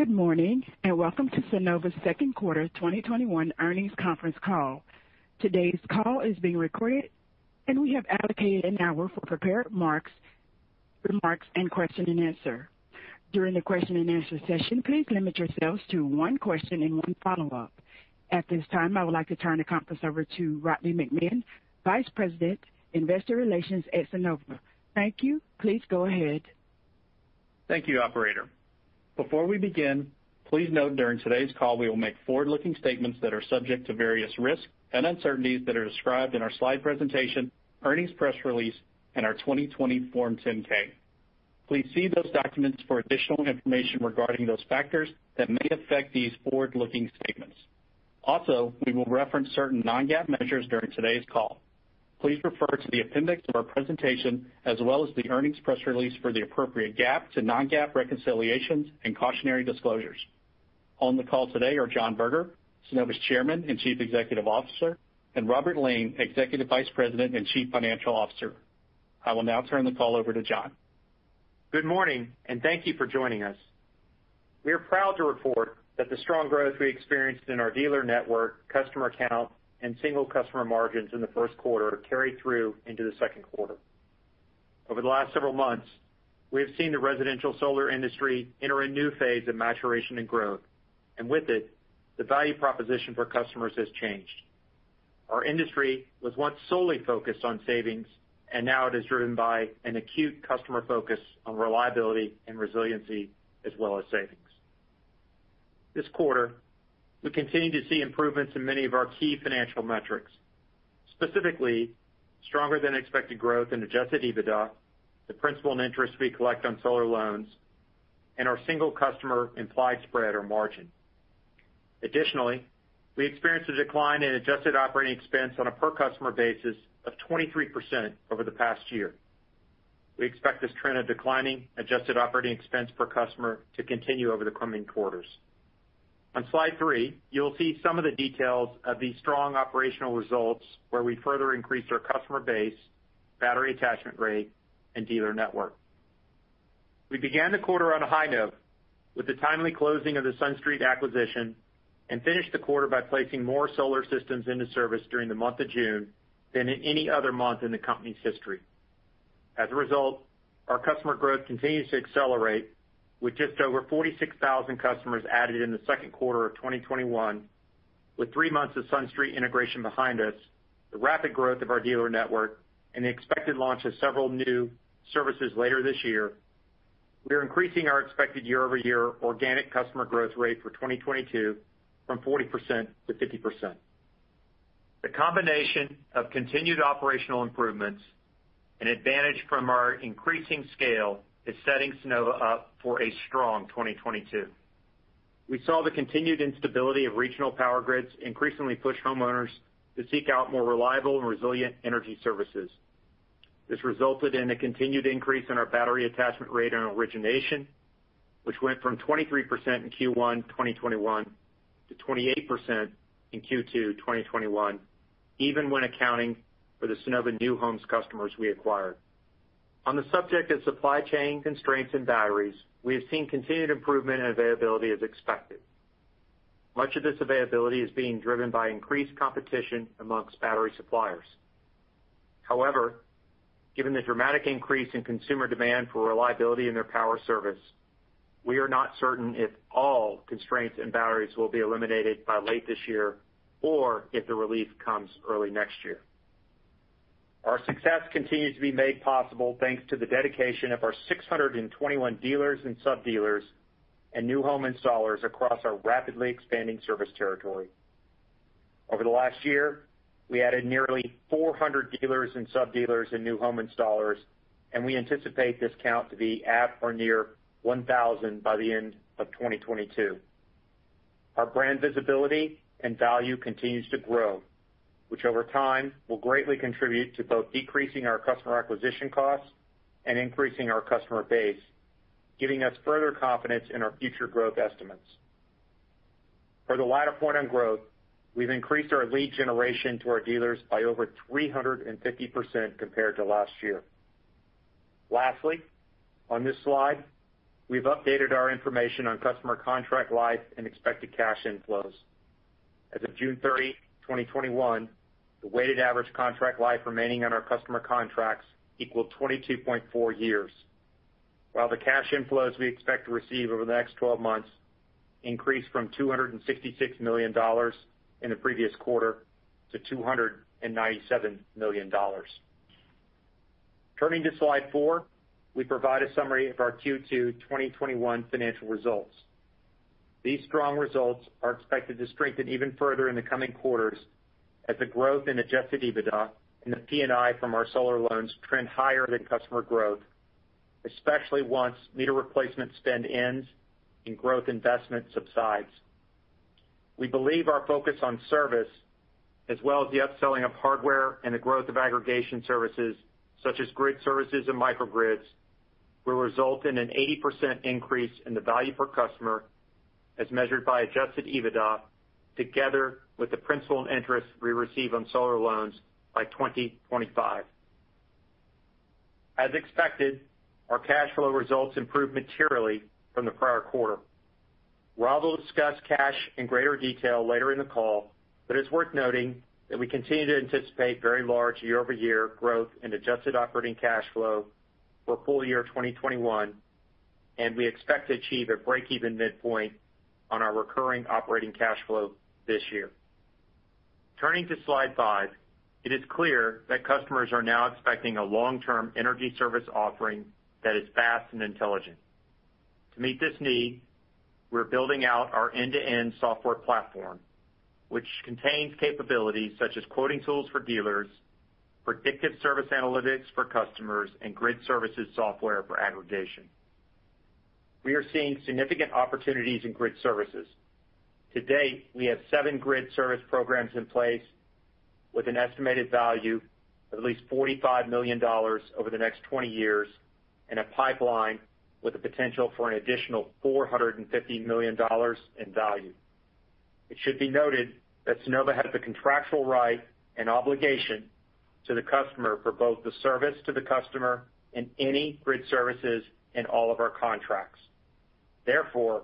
Good morning. Welcome to Sunnova's Second Quarter 2021 Earnings Conference Call. Today's call is being recorded, and we have allocated an hour for prepared remarks and question and answer. During the question-and-answer session, please limit yourselves to one question and one follow-up. At this time, I would like to turn the conference over to Rodney McMahan, Vice President, Investor Relations at Sunnova. Thank you. Please go ahead. Thank you, operator. Before we begin, please note during today's call, we will make forward-looking statements that are subject to various risks and uncertainties that are described in our slide presentation, earnings press release, and our 2020 Form 10-K. Please see those documents for additional information regarding those factors that may affect these forward-looking statements. Also, we will reference certain non-GAAP measures during today's call. Please refer to the appendix of our presentation as well as the earnings press release for the appropriate GAAP to non-GAAP reconciliations and cautionary disclosures. On the call today are John Berger, Sunnova's Chairman and Chief Executive Officer, and Robert Lane, Executive Vice President and Chief Financial Officer. I will now turn the call over to John. Good morning, and thank you for joining us. We are proud to report that the strong growth we experienced in our dealer network, customer count, and single customer margins in the first quarter carried through into the second quarter. Over the last several months, we have seen the residential solar industry enter a new phase of maturation and growth, and with it, the value proposition for customers has changed. Our industry was once solely focused on savings, and now it is driven by an acute customer focus on reliability and resiliency as well as savings. This quarter, we continued to see improvements in many of our key financial metrics, specifically stronger than expected growth in Adjusted EBITDA, the principal and interest we collect on solar loans, and our single customer implied spread or margin. Additionally, we experienced a decline in Adjusted Operating Expense on a per customer basis of 23% over the past year. We expect this trend of declining Adjusted Operating Expense per customer to continue over the coming quarters. On slide three, you'll see some of the details of these strong operational results where we further increased our customer base, battery attachment rate, and dealer network. We began the quarter on a high note with the timely closing of the SunStreet acquisition and finished the quarter by placing more solar systems into service during the month of June than in any other month in the company's history. As a result, our customer growth continues to accelerate with just over 46,000 customers added in the second quarter of 2021. With three months of SunStreet integration behind us, the rapid growth of our dealer network, and the expected launch of several new services later this year, we are increasing our expected year-over-year organic customer growth rate for 2022 from 40%-50%. The combination of continued operational improvements and advantage from our increasing scale is setting Sunnova up for a strong 2022. We saw the continued instability of regional power grids increasingly push homeowners to seek out more reliable and resilient energy services. This resulted in a continued increase in our battery attachment rate on origination, which went from 23% in Q1 2021 to 28% in Q2 2021, even when accounting for the Sunnova New Homes customers we acquired. On the subject of supply chain constraints and batteries, we have seen continued improvement in availability as expected. Much of this availability is being driven by increased competition amongst battery suppliers. However, given the dramatic increase in consumer demand for reliability in their power service, we are not certain if all constraints in batteries will be eliminated by late this year or if the relief comes early next year. Our success continues to be made possible thanks to the dedication of our 621 dealers and sub-dealers and new home installers across our rapidly expanding service territory. Over the last year, we added nearly 400 dealers and sub-dealers and new home installers, and we anticipate this count to be at or near 1,000 by the end of 2022. Our brand visibility and value continues to grow, which over time will greatly contribute to both decreasing our customer acquisition costs and increasing our customer base, giving us further confidence in our future growth estimates. For the latter point on growth, we've increased our lead generation to our dealers by over 350% compared to last year. Lastly, on this slide, we've updated our information on customer contract life and expected cash inflows. As of June 30, 2021, the weighted average contract life remaining on our customer contracts equaled 22.4 years. While the cash inflows we expect to receive over the next 12 months increased from $266 million in the previous quarter to $297 million. Turning to slide four, we provide a summary of our Q2 2021 financial results. These strong results are expected to strengthen even further in the coming quarters as the growth in Adjusted EBITDA and the P&I from our solar loans trend higher than customer growth, especially once meter replacement spend ends and growth investment subsides. We believe our focus on service, as well as the upselling of hardware and the growth of aggregation services such as grid services and microgrids, will result in an 80% increase in the value per customer as measured by Adjusted EBITDA together with the principal and interest we receive on solar loans by 2025. As expected, our cash flow results improved materially from the prior quarter. Rob will discuss cash in greater detail later in the call, but it's worth noting that we continue to anticipate very large year-over-year growth in adjusted operating cash flow for full year 2021, and we expect to achieve a break-even midpoint on our recurring operating cash flow this year. Turning to slide five, it is clear that customers are now expecting a long-term energy service offering that is fast and intelligent. To meet this need, we're building out our end-to-end software platform, which contains capabilities such as quoting tools for dealers, predictive service analytics for customers, and grid services software for aggregation. We are seeing significant opportunities in grid services. To date, we have seven grid service programs in place with an estimated value of at least $45 million over the next 20 years and a pipeline with the potential for an additional $450 million in value. It should be noted that Sunnova has the contractual right and obligation to the customer for both the service to the customer and any grid services in all of our contracts. Therefore,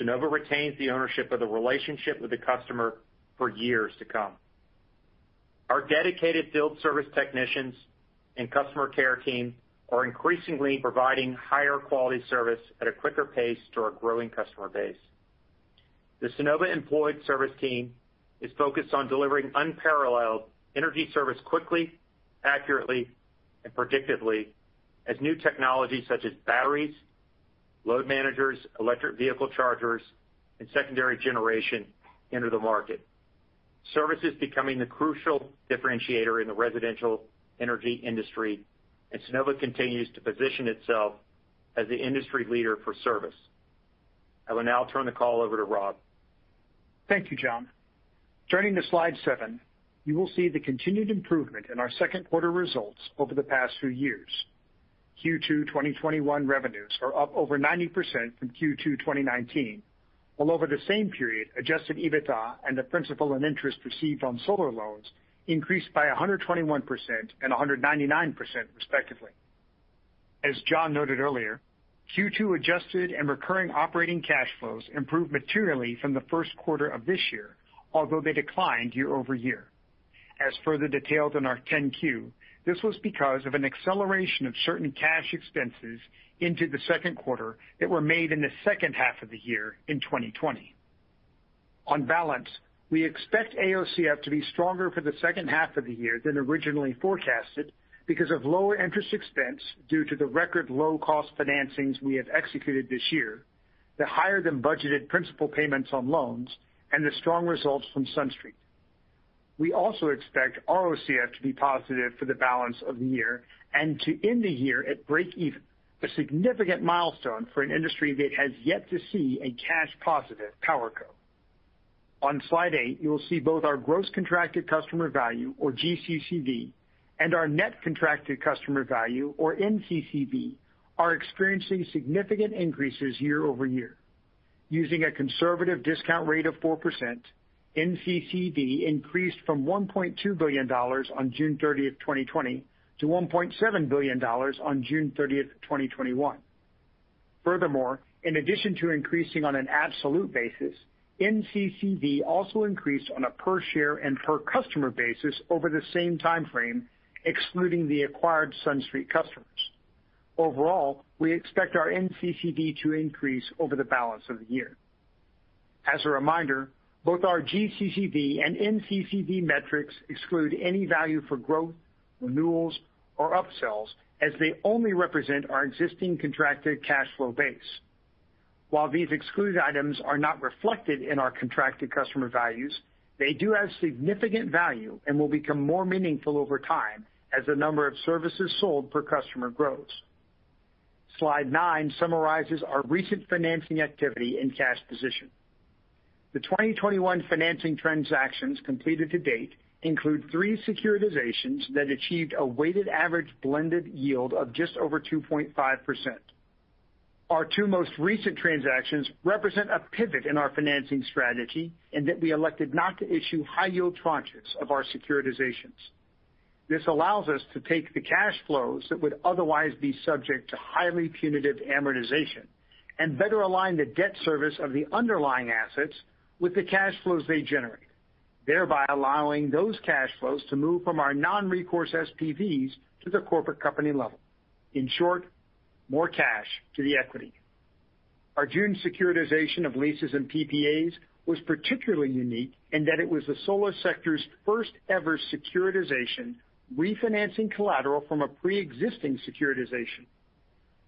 Sunnova retains the ownership of the relationship with the customer for years to come. Our dedicated field service technicians and customer care team are increasingly providing higher quality service at a quicker pace to our growing customer base. The Sunnova employed service team is focused on delivering unparalleled energy service quickly, accurately, and predictively as new technologies such as batteries, load managers, electric vehicle chargers, and secondary generation enter the market. Service is becoming the crucial differentiator in the residential energy industry, and Sunnova continues to position itself as the industry leader for service. I will now turn the call over to Rob. Thank you, John. Turning to slide seven, you will see the continued improvement in our second quarter results over the past few years. Q2 2021 revenues are up over 90% from Q2 2019, while over the same period, Adjusted EBITDA and the principal and interest received on solar loans increased by 121% and 199% respectively. As John noted earlier, Q2 adjusted and recurring operating cash flows improved materially from the first quarter of this year, although they declined year-over-year. As further detailed in our 10-Q, this was because of an acceleration of certain cash expenses into the second quarter that were made in the second half of the year in 2020. On balance, we expect AOCF to be stronger for the second half of the year than originally forecasted because of lower interest expense due to the record low-cost financings we have executed this year, the higher-than-budgeted principal payments on loans, and the strong results from SunStreet. We also expect ROCF to be positive for the balance of the year, and to end the year at break even, a significant milestone for an industry that has yet to see a cash positive power co. On slide eight, you will see both our Gross Contracted Customer Value, or GCCV, and our Net Contracted Customer Value, or NCCV, are experiencing significant increases year-over-year. Using a conservative discount rate of 4%, NCCV increased from $1.2 billion on June 30, 2020, to $1.7 billion on June 30, 2021. Furthermore, in addition to increasing on an absolute basis, NCCV also increased on a per-share and per-customer basis over the same timeframe, excluding the acquired SunStreet customers. Overall, we expect our NCCV to increase over the balance of the year. As a reminder, both our GCCV and NCCV metrics exclude any value for growth, renewals, or upsells, as they only represent our existing contracted cash flow base. While these excluded items are not reflected in our contracted customer values, they do add significant value and will become more meaningful over time as the number of services sold per customer grows. Slide nine summarizes our recent financing activity and cash position. The 2021 financing transactions completed to date include three securitizations that achieved a weighted average blended yield of just over 2.5%. Our two most recent transactions represent a pivot in our financing strategy, in that we elected not to issue high-yield tranches of our securitizations. This allows us to take the cash flows that would otherwise be subject to highly punitive amortization and better align the debt service of the underlying assets with the cash flows they generate, thereby allowing those cash flows to move from our non-recourse SPVs to the corporate company level. In short, more cash to the equity. Our June securitization of leases and PPAs was particularly unique in that it was the solar sector's first ever securitization refinancing collateral from a preexisting securitization.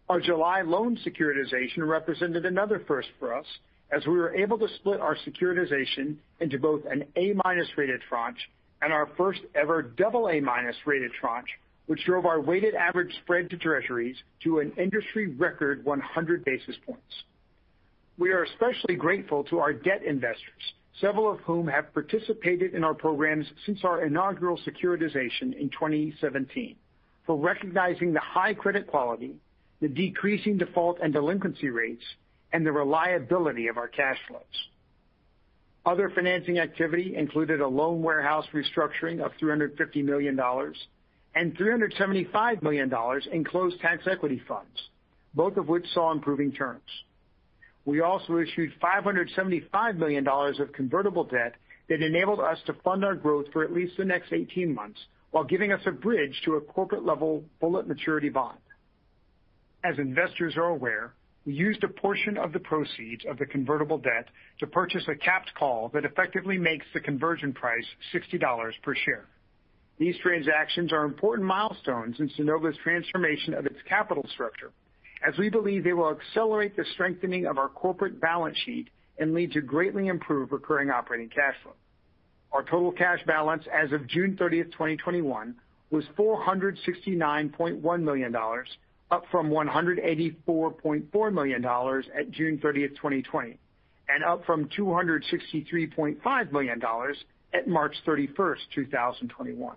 Our July loan securitization represented another first for us, as we were able to split our securitization into both an A-minus rated tranche and our first ever double A-minus rated tranche, which drove our weighted average spread to Treasuries to an industry record 100 basis points. We are especially grateful to our debt investors, several of whom have participated in our programs since our inaugural securitization in 2017, for recognizing the high credit quality, the decreasing default and delinquency rates, and the reliability of our cash flows. Other financing activity included a loan warehouse restructuring of $350 million and $375 million in closed tax equity funds, both of which saw improving terms. We also issued $575 million of convertible debt that enabled us to fund our growth for at least the next 18 months while giving us a bridge to a corporate-level bullet maturity bond. As investors are aware, we used a portion of the proceeds of the convertible debt to purchase a capped call that effectively makes the conversion price $60 per share. These transactions are important milestones in Sunnova's transformation of its capital structure, as we believe they will accelerate the strengthening of our corporate balance sheet and lead to greatly improved recurring operating cash flow. Our total cash balance as of June 30th, 2021, was $469.1 million, up from $184.4 million at June 30th, 2020, and up from $263.5 million at March 31st, 2021.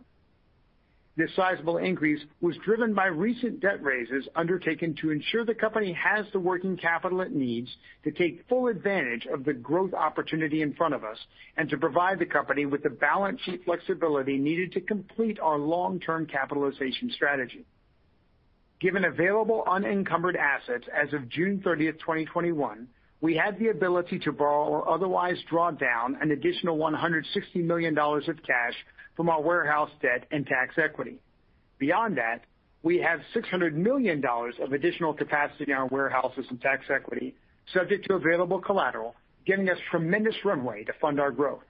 This sizable increase was driven by recent debt raises undertaken to ensure the company has the working capital it needs to take full advantage of the growth opportunity in front of us and to provide the company with the balance sheet flexibility needed to complete our long-term capitalization strategy. Given available unencumbered assets as of June 30th, 2021, we have the ability to borrow or otherwise draw down an additional $160 million of cash from our warehouse debt and tax equity. Beyond that, we have $600 million of additional capacity in our warehouses and tax equity subject to available collateral, giving us tremendous runway to fund our growth.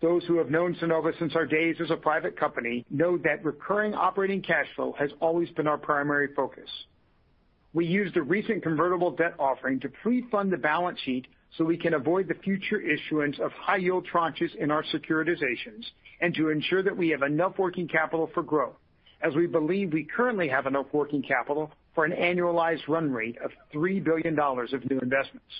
Those who have known Sunnova since our days as a private company know that recurring operating cash flow has always been our primary focus. We used the recent convertible debt offering to pre-fund the balance sheet so we can avoid the future issuance of high-yield tranches in our securitizations and to ensure that we have enough working capital for growth, as we believe we currently have enough working capital for an annualized run rate of $3 billion of new investments.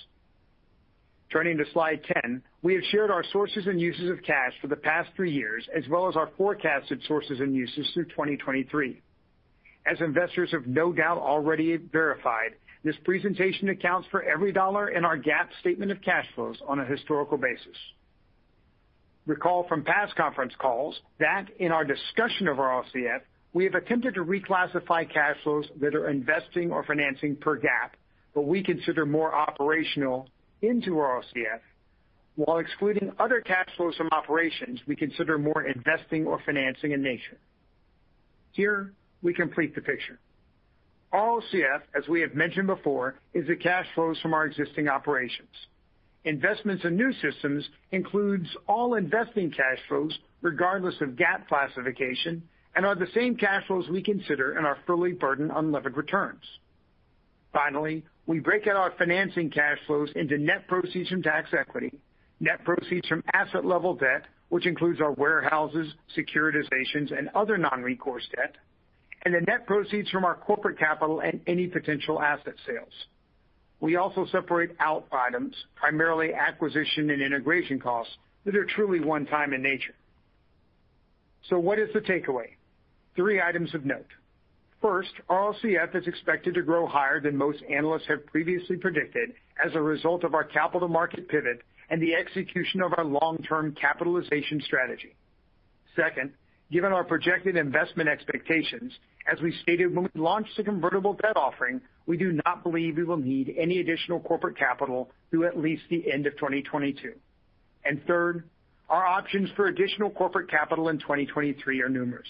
Turning to slide 10, we have shared our sources and uses of cash for the past three years as well as our forecasted sources and uses through 2023. As investors have no doubt already verified, this presentation accounts for every dollar in our GAAP statement of cash flows on a historical basis. Recall from past conference calls that in our discussion of our OCF, we have attempted to reclassify cash flows that are investing or financing per GAAP, but we consider more operational into our OCF, while excluding other cash flows from operations we consider more investing or financing in nature. Here, we complete the picture. Our OCF, as we have mentioned before, is the cash flows from our existing operations. Investments in new systems includes all investing cash flows regardless of GAAP classification and are the same cash flows we consider in our fully burdened unlevered returns. Finally, we break out our financing cash flows into net proceeds from tax equity, net proceeds from asset-level debt, which includes our warehouses, securitizations, and other non-recourse debt, and the net proceeds from our corporate capital and any potential asset sales. We also separate out items, primarily acquisition and integration costs, that are truly one-time in nature. What is the takeaway? Three items of note. First, our OCF is expected to grow higher than most analysts have previously predicted as a result of our capital market pivot and the execution of our long-term capitalization strategy. Second, given our projected investment expectations, as we stated when we launched the convertible debt offering, we do not believe we will need any additional corporate capital through at least the end of 2022. Third, our options for additional corporate capital in 2023 are numerous.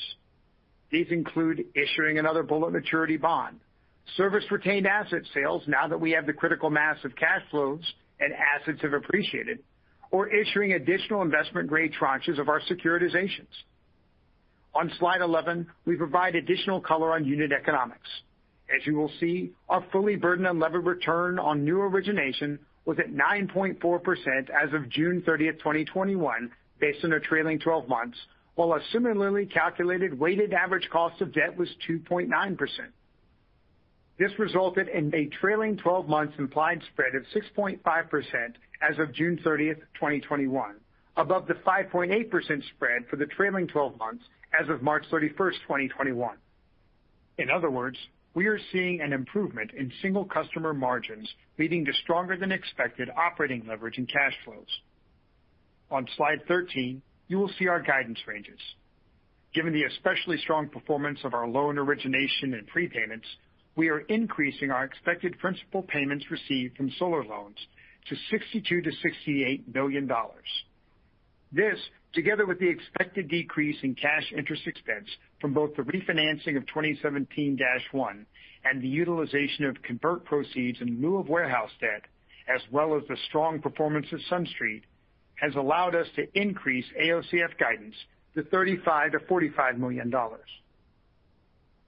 These include issuing another bullet maturity bond, service retained asset sales now that we have the critical mass of cash flows and assets have appreciated, or issuing additional investment-grade tranches of our securitizations. On slide 11, we provide additional color on unit economics. As you will see, our fully burdened unlevered return on new origination was at 9.4% as of June 30th, 2021, based on the trailing 12 months, while a similarly calculated weighted average cost of debt was 2.9%. This resulted in a trailing 12 months implied spread of 6.5% as of June 30th, 2021, above the 5.8% spread for the trailing 12 months as of March 31st, 2021. In other words, we are seeing an improvement in single customer margins, leading to stronger-than-expected operating leverage and cash flows. On slide 13, you will see our guidance ranges. Given the especially strong performance of our loan origination and prepayments, we are increasing our expected principal payments received from solar loans to $62 million-$68 million. This, together with the expected decrease in cash interest expense from both the refinancing of 2017-1 and the utilization of convert proceeds in lieu of warehouse debt, as well as the strong performance of Sunnova New Homes, has allowed us to increase AOCF guidance to $35 million-$45 million.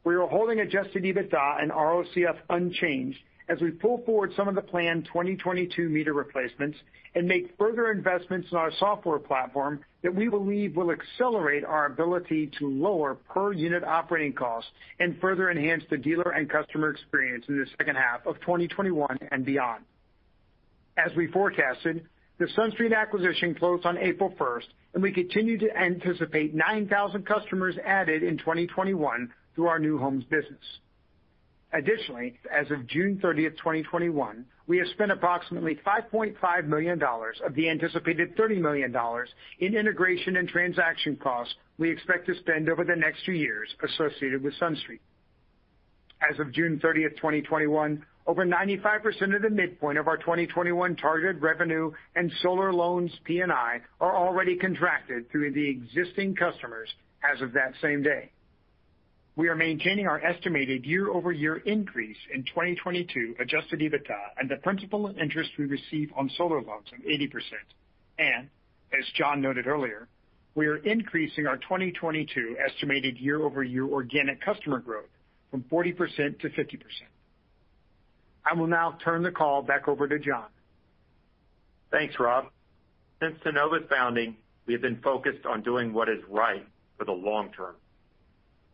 We are holding Adjusted EBITDA and ROCF unchanged as we pull forward some of the planned 2022 meter replacements and make further investments in our software platform that we believe will accelerate our ability to lower per-unit operating costs and further enhance the dealer and customer experience in the second half of 2021 and beyond. As we forecasted, the SunStreet acquisition closed on April 1st. We continue to anticipate 9,000 customers added in 2021 through our New Homes business. Additionally, as of June 30th, 2021, we have spent approximately $5.5 million of the anticipated $30 million in integration and transaction costs we expect to spend over the next few years associated with SunStreet. As of June 30th, 2021, over 95% of the midpoint of our 2021 targeted revenue and solar loans P&I are already contracted through the existing customers as of that same day. We are maintaining our estimated year-over-year increase in 2022 Adjusted EBITDA and the principal and interest we receive on solar loans of 80%. As John noted earlier, we are increasing our 2022 estimated year-over-year organic customer growth from 40%-50%. I will now turn the call back over to John. Thanks, Rob. Since Sunnova's founding, we have been focused on doing what is right for the long term.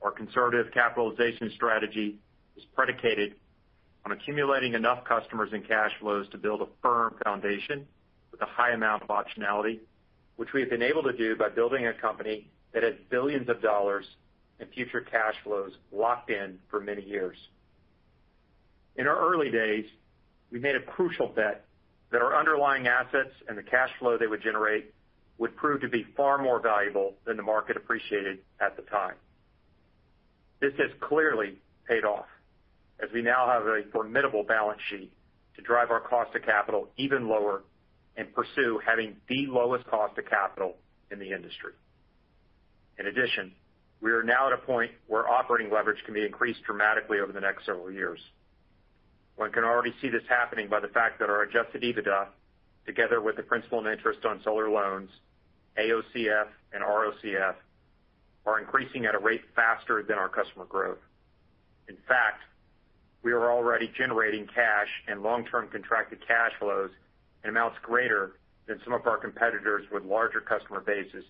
Our conservative capitalization strategy is predicated on accumulating enough customers and cash flows to build a firm foundation with a high amount of optionality, which we have been able to do by building a company that has billions of dollars in future cash flows locked in for many years. In our early days, we made a crucial bet that our underlying assets and the cash flow they would generate would prove to be far more valuable than the market appreciated at the time. This has clearly paid off as we now have a formidable balance sheet to drive our cost of capital even lower and pursue having the lowest cost of capital in the industry. In addition, we are now at a point where operating leverage can be increased dramatically over the next several years. One can already see this happening by the fact that our Adjusted EBITDA, together with the principal and interest on solar loans, AOCF, and ROCF, are increasing at a rate faster than our customer growth. In fact, we are already generating cash and long-term contracted cash flows in amounts greater than some of our competitors with larger customer bases,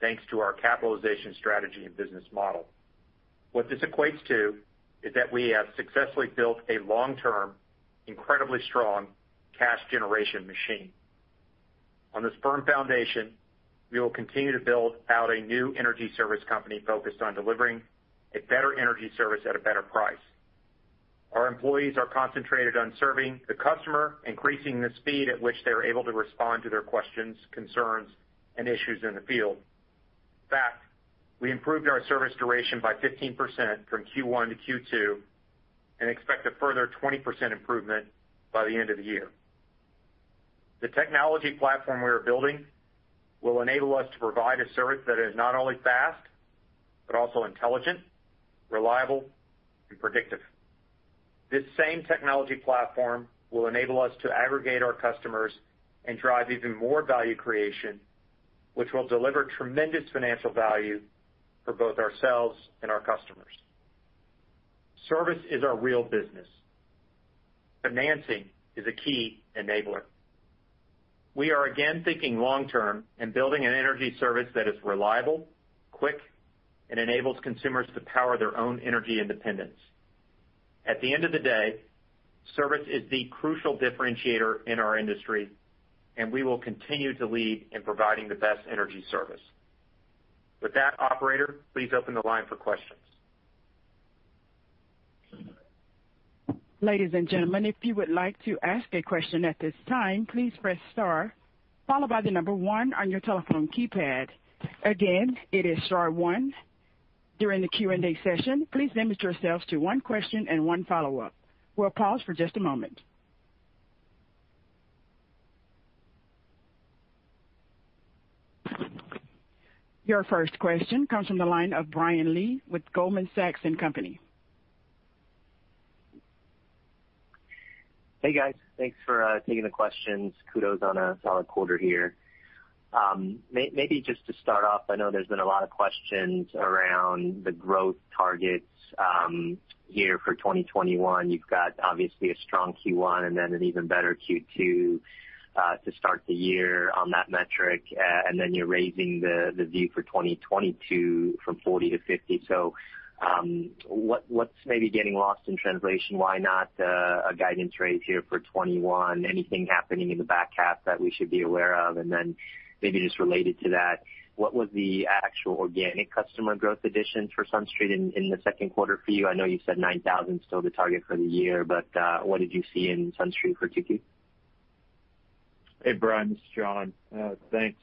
thanks to our capitalization strategy and business model. What this equates to is that we have successfully built a long-term, incredibly strong cash generation machine. On this firm foundation, we will continue to build out a new energy service company focused on delivering a better energy service at a better price. Our employees are concentrated on serving the customer, increasing the speed at which they are able to respond to their questions, concerns, and issues in the field. In fact, we improved our service duration by 15% from Q1-Q2 and expect a further 20% improvement by the end of the year. The technology platform we are building will enable us to provide a service that is not only fast, but also intelligent, reliable, and predictive. This same technology platform will enable us to aggregate our customers and drive even more value creation, which will deliver tremendous financial value for both ourselves and our customers. Service is our real business. Financing is a key enabler. We are again thinking long term and building an energy service that is reliable, quick, and enables consumers to power their own energy independence. At the end of the day, service is the crucial differentiator in our industry, and we will continue to lead in providing the best energy service. With that, operator, please open the line for questions. Ladies and gentlemen, if you would like to ask a question at this time, please press star followed by the number one on your telephone keypad. Again, it is star one. During the Q&A session, please limit yourselves to one question and one follow-up. We'll pause for just a moment. Your first question comes from the line of Brian Lee with Goldman Sachs & Co. Hey, guys. Thanks for taking the questions. Kudos on a solid quarter here. Maybe just to start off, I know there's been a lot of questions around the growth targets here for 2021. You've got obviously a strong Q1 and then an even better Q2 to start the year on that metric. You're raising the view for 2022 from 40%-50%. What's maybe getting lost in translation? Why not a guidance raise here for 2021? Anything happening in the back half that we should be aware of? Maybe just related to that, what was the actual organic customer growth additions for Sunstreet in the second quarter for you? I know you said 9,000 is still the target for the year, what did you see in Sunstreet for Q2? Hey, Brian, this is John. Thanks.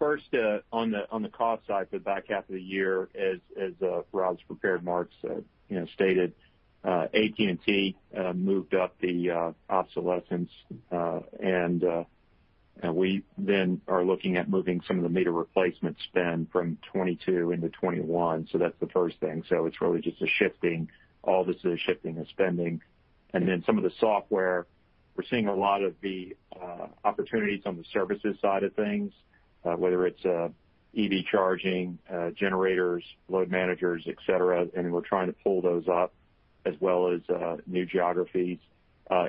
First, on the cost side for the back half of the year, as Robert's prepared remarks stated, AT&T moved up the obsolescence, we then are looking at moving some of the meter replacement spend from 2022 into 2021. That's the first thing. It's really just a shifting. All this is a shifting of spending. Then some of the software, we're seeing a lot of the opportunities on the services side of things, whether it's EV charging, generators, load managers, et cetera, we're trying to pull those up as well as new geographies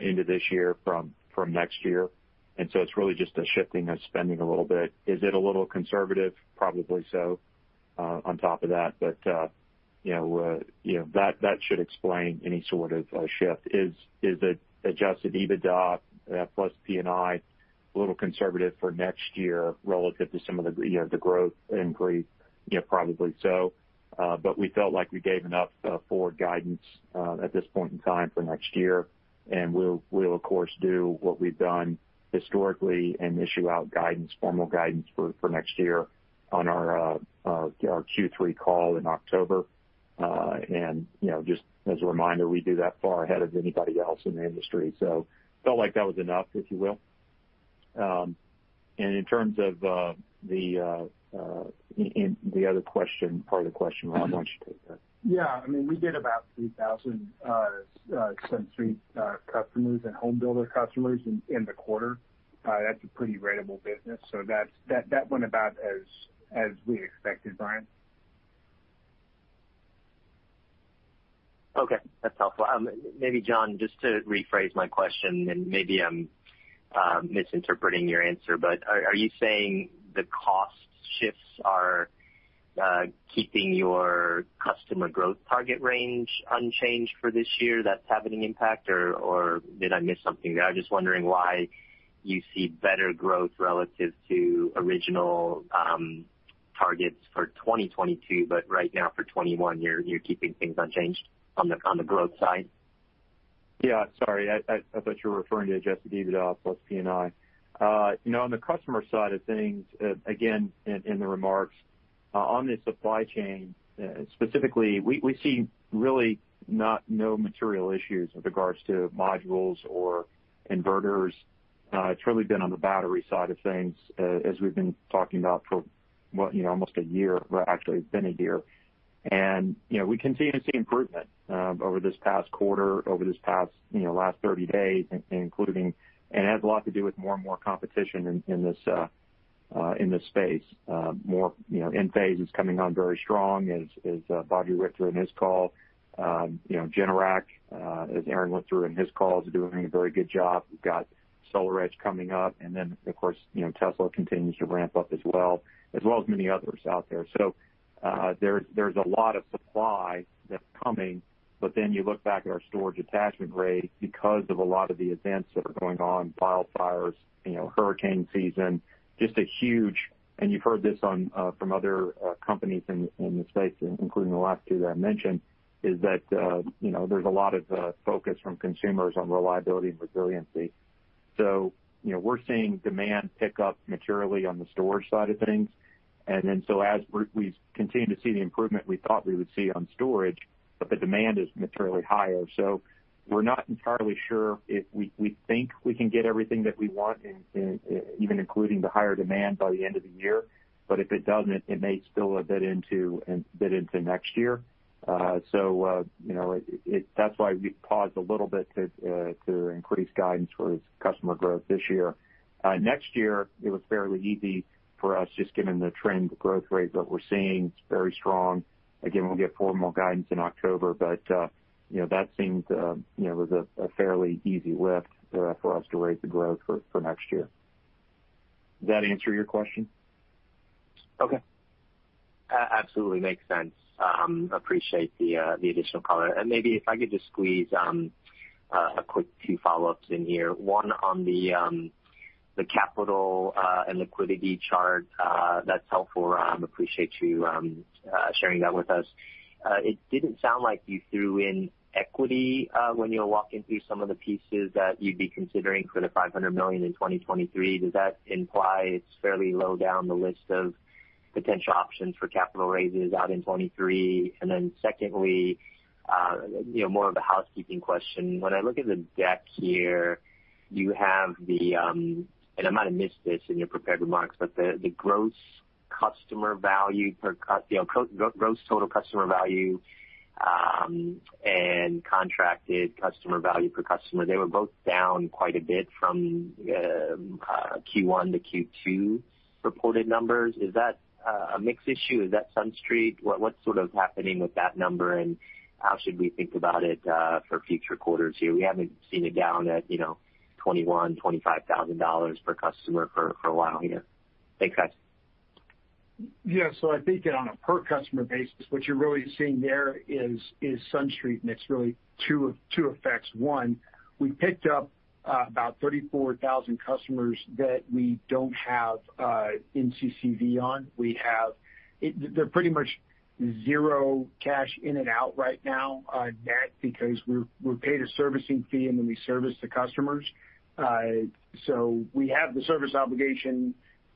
into this year from next year. It's really just a shifting of spending a little bit. Is it a little conservative? Probably so on top of that. That should explain any sort of shift. Is the Adjusted EBITDA plus P&I a little conservative for next year relative to some of the growth increase? Probably so. We felt like we gave enough forward guidance at this point in time for next year. We'll, of course, do what we've done historically and issue out formal guidance for next year on our Q3 call in October. Just as a reminder, we do that far ahead of anybody else in the industry. Felt like that was enough, if you will. In terms of the other part of the question, Rob, why don't you take that? We did about 3,000 SunStreet customers and home builder customers in the quarter. That's a pretty ratable business, so that went about as we expected, Brian. Okay, that's helpful. Maybe, John, just to rephrase my question, and maybe I'm misinterpreting your answer, but are you saying the cost shifts are keeping your customer growth target range unchanged for this year, that's having an impact? Did I miss something there? I'm just wondering why you see better growth relative to original targets for 2022, but right now for 2021, you're keeping things unchanged on the growth side. Yeah. Sorry, I thought you were referring to Adjusted EBITDA plus P&I. On the customer side of things, again, in the remarks on the supply chain, specifically, we see really no material issues with regards to modules or inverters. It's really been on the battery side of things as we've been talking about for almost a year. Well, actually, it's been a year. We continue to see improvement over this past quarter, over this past last 30 days including. It has a lot to do with more and more competition in this space. Enphase is coming on very strong as Badri Kothandaraman in his call. Generac, as Aaron Jagdfeld went through in his call, is doing a very good job. We've got SolarEdge coming up, and then, of course, Tesla continues to ramp up as well, as well as many others out there. There's a lot of supply that's coming, but then you look back at our storage attachment rate because of a lot of the events that are going on, wildfires, hurricane season. You've heard this from other companies in the space, including the last two that I mentioned, is that there's a lot of focus from consumers on reliability and resiliency. We're seeing demand pick up materially on the storage side of things. As we continue to see the improvement we thought we would see on storage, but the demand is materially higher. We're not entirely sure if we think we can get everything that we want, even including the higher demand by the end of the year. If it doesn't, it may spill a bit into next year. That's why we paused a little bit to increase guidance for customer growth this year. Next year, it was fairly easy for us just given the trend growth rates that we're seeing. It's very strong. Again, we'll give formal guidance in October, but that was a fairly easy lift for us to raise the growth for next year. Does that answer your question? Okay. Absolutely. Makes sense. Appreciate the additional color. Maybe if I could just squeeze a quick two follow-ups in here. One on the capital and liquidity chart. That's helpful, Rob. Appreciate you sharing that with us. It didn't sound like you threw in equity when you were walking through some of the pieces that you'd be considering for the $500 million in 2023. Does that imply it's fairly low down the list of potential options for capital raises out in 2023? Secondly, more of a housekeeping question. When I look at the deck here, I might have missed this in your prepared remarks, but the gross total customer value and contracted customer value per customer, they were both down quite a bit from Q1-Q2 reported numbers. Is that a mix issue? Is that SunStreet? What's sort of happening with that number, and how should we think about it for future quarters here? We haven't seen it down at $21,000, $25,000 per customer for a while here. Thanks, guys. I think that on a per customer basis, what you're really seeing there is SunStreet, and it's really two effects. One, we picked up about 34,000 customers that we don't have in CCV on. They're pretty much zero cash in and out right now on net because we're paid a servicing fee and then we service the customers. We have the service obligation.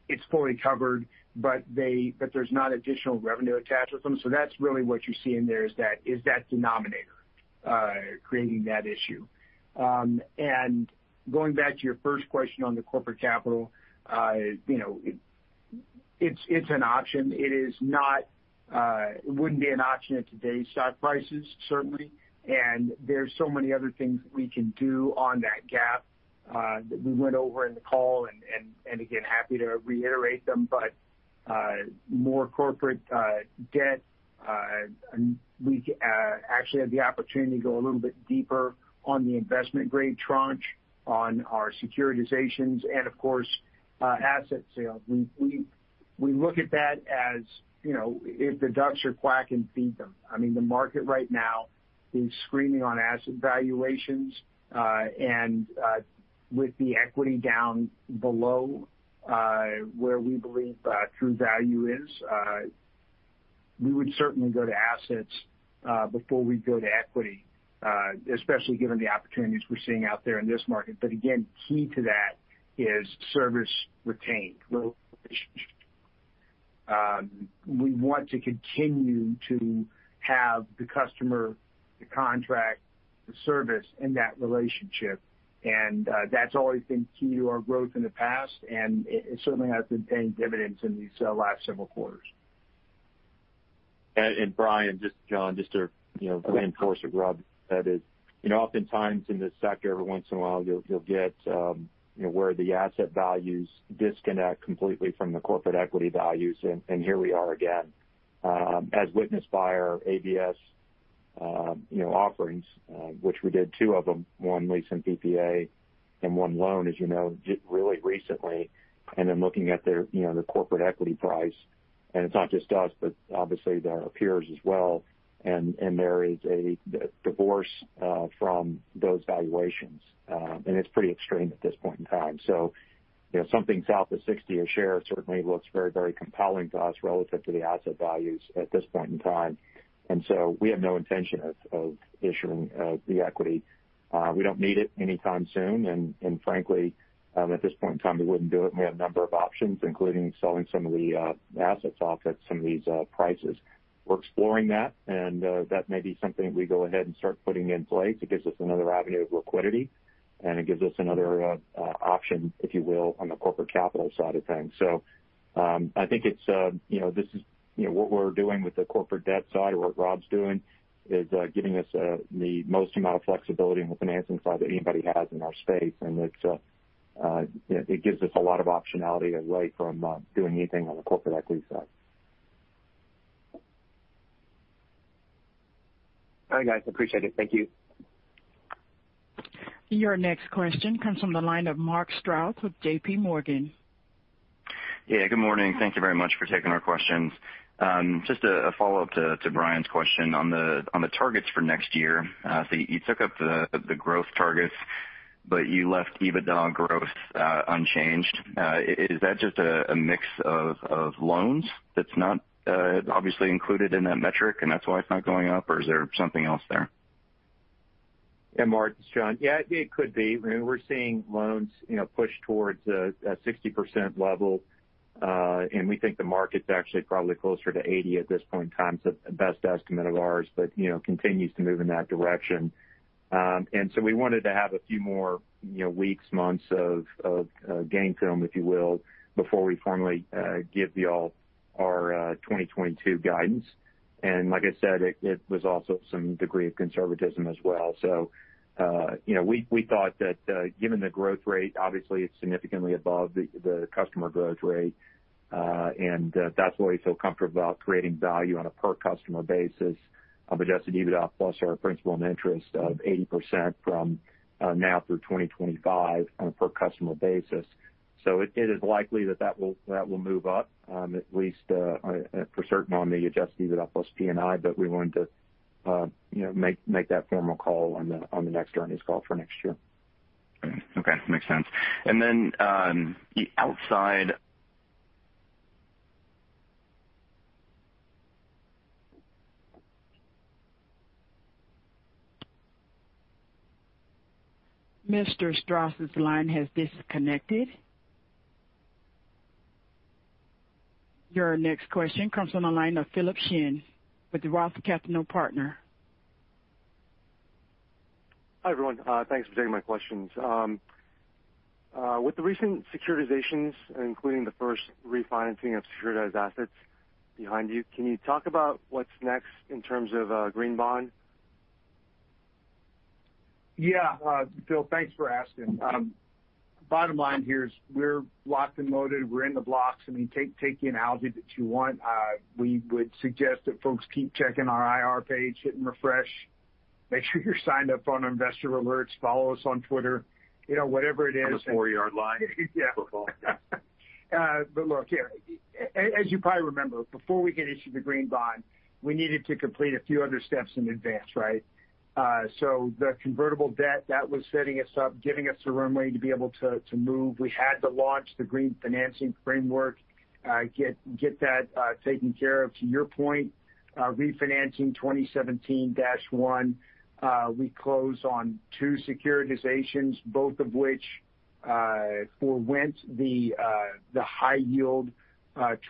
It's fully covered, but there's not additional revenue attached with them. That's really what you're seeing there is that denominator creating that issue. Going back to your first question on the corporate capital, it's an option. It wouldn't be an option at today's stock prices, certainly. There's so many other things that we can do on that gap that we went over in the call, and again, happy to reiterate them. More corporate debt. We actually have the opportunity to go a little bit deeper on the investment-grade tranche on our securitizations and, of course, asset sales. We look at that as if the ducks are quacking, feed them. The market right now is screaming on asset valuations. With the equity down below where we believe true value is, we would certainly go to assets before we go to equity, especially given the opportunities we're seeing out there in this market. Again, key to that is service retained relationship. We want to continue to have the customer, the contract, the service in that relationship, and that's always been key to our growth in the past, and it certainly has been paying dividends in these last several quarters. Brian, John, just to reinforce what Rob said is, oftentimes in this sector, every once in a while, you'll get where the asset values disconnect completely from the corporate equity values. Here we are again. As witnessed by our ABS offerings which we did two of them, one lease and PPA and one loan, as you know, did really recently. Then looking at their corporate equity price, and it's not just us, but obviously their peers as well. There is a divorce from those valuations. It's pretty extreme at this point in time. Something south of $60 a share certainly looks very compelling to us relative to the asset values at this point in time. We have no intention of issuing the equity. We don't need it anytime soon, and frankly, at this point in time, we wouldn't do it. We have a number of options, including selling some of the assets off at some of these prices. We're exploring that, and that may be something we go ahead and start putting in place. It gives us another avenue of liquidity, and it gives us another option, if you will, on the corporate capital side of things. I think what we're doing with the corporate debt side or what Rob's doing is giving us the most amount of flexibility on the financing side that anybody has in our space. It gives us a lot of optionality away from doing anything on the corporate equity side. All right, guys, appreciate it. Thank you. Your next question comes from the line of Mark Strouse with JPMorgan. Yeah, good morning. Thank you very much for taking our questions. Just a follow-up to Brian's question on the targets for next year. You took up the growth targets, but you left EBITDA growth unchanged. Is that just a mix of loans that's not obviously included in that metric, and that's why it's not going up, or is there something else there? Yeah, Mark, it's John. Yeah, it could be. We're seeing loans push towards a 60% level. We think the market's actually probably closer to 80% at this point in time is the best estimate of ours, but continues to move in that direction. We wanted to have a few more weeks, months of game film, if you will, before we formally give you all our 2022 guidance. Like I said, it was also some degree of conservatism as well. We thought that given the growth rate, obviously it's significantly above the customer growth rate. That's why we feel comfortable about creating value on a per customer basis of Adjusted EBITDA plus our principal and interest of 80% from now through 2025 on a per customer basis. It is likely that will move up, at least for certain on the Adjusted EBITDA plus P&I. We wanted to make that formal call on the next earnings call for next year. Okay. Makes sense. Outside- Mr. Strouse's line has disconnected. Your next question comes from the line of Philip Shen with Roth Capital Partners. Hi, everyone. Thanks for taking my questions. With the recent securitizations, including the first refinancing of securitized assets behind you, can you talk about what's next in terms of green bond? Yeah. Philip, thanks for asking. Bottom line here is we're locked and loaded. We're in the blocks. I mean, take the analogy that you want. We would suggest that folks keep checking our IR page, hitting refresh. Make sure you're signed up on investor alerts, follow us on Twitter, whatever it is. On the four-yard line. Yeah. Football. Look, as you probably remember, before we could issue the green bond, we needed to complete a few other steps in advance, right? The convertible debt, that was setting us up, giving us the runway to be able to move. We had to launch the green financing framework, get that taken care of. To your point, refinancing 2017-1, we closed on two securitizations, both of which forewent the high-yield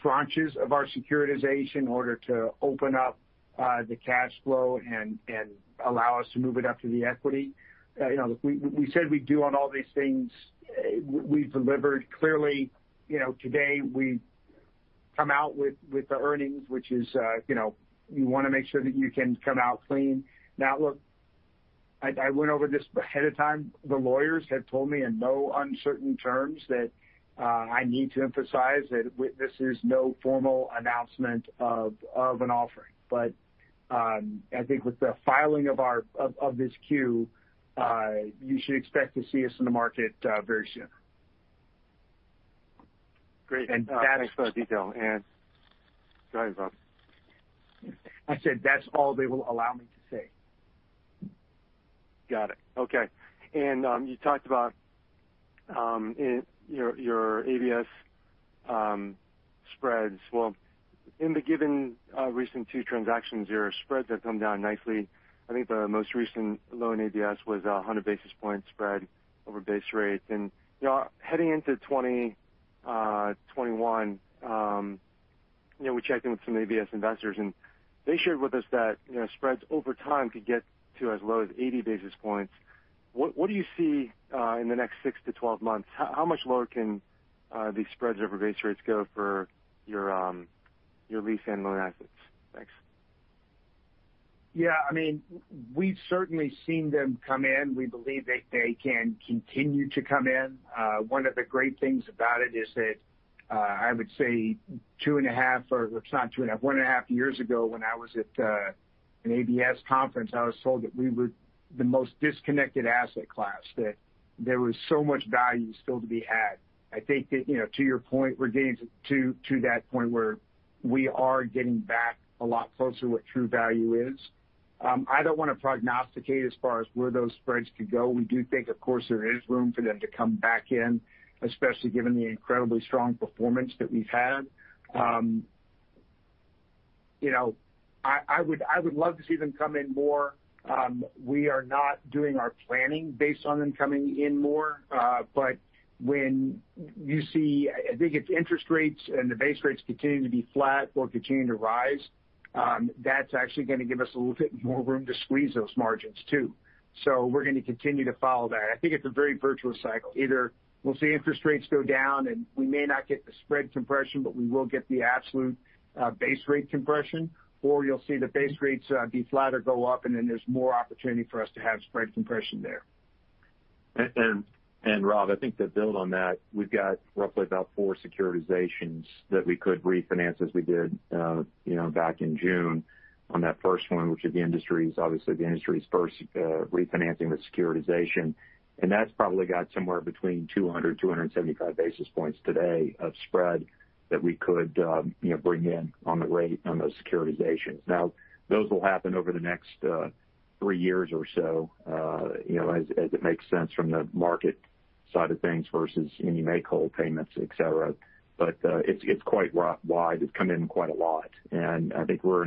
tranches of our securitization in order to open up the cash flow and allow us to move it up to the equity. We said we'd do on all these things, we've delivered. Clearly, today we've come out with the earnings, which is you want to make sure that you can come out clean. Now, look, I went over this ahead of time. The lawyers have told me in no uncertain terms that I need to emphasize that this is no formal announcement of an offering. I think with the filing of this Q, you should expect to see us in the market very soon. Great. Thanks for that detail. Go ahead, Rob. I said that's all they will allow me to say. Got it. Okay. You talked about your ABS spreads. Well, in the given recent two transactions, your spreads have come down nicely. I think the most recent loan ABS was 100 basis point spread over base rates. Heading into 2021, we checked in with some ABS investors, and they shared with us that spreads over time could get to as low as 80 basis points. What do you see in the next 6-12 months? How much lower can these spreads over base rates go for your lease and loan assets? Thanks. Yeah. We've certainly seen them come in. We believe that they can continue to come in. One of the great things about it is that, I would say, 1.5 years ago, when I was at an ABS conference, I was told that we were the most disconnected asset class, that there was so much value still to be had. I think that to your point, we're getting to that point where we are getting back a lot closer to what true value is. I don't want to prognosticate as far as where those spreads could go. We do think, of course, there is room for them to come back in, especially given the incredibly strong performance that we've had. I would love to see them come in more. We are not doing our planning based on them coming in more. When you see, I think it's interest rates and the base rates continuing to be flat or continuing to rise, that's actually going to give us a little bit more room to squeeze those margins too. We're going to continue to follow that. I think it's a very virtuous cycle. Either we'll see interest rates go down, and we may not get the spread compression, but we will get the absolute base rate compression, or you'll see the base rates be flat or go up, and then there's more opportunity for us to have spread compression there. Robert, I think to build on that, we've got roughly about four securitizations that we could refinance as we did back in June on that first one, which is obviously the industry's first refinancing with securitization. That's probably got somewhere between 200, 275 basis points today of spread that we could bring in on the rate on those securitizations. Those will happen over the next three years or so as it makes sense from the market side of things versus any make-whole payments, et cetera. It's quite wide. It's come in quite a lot. I think we're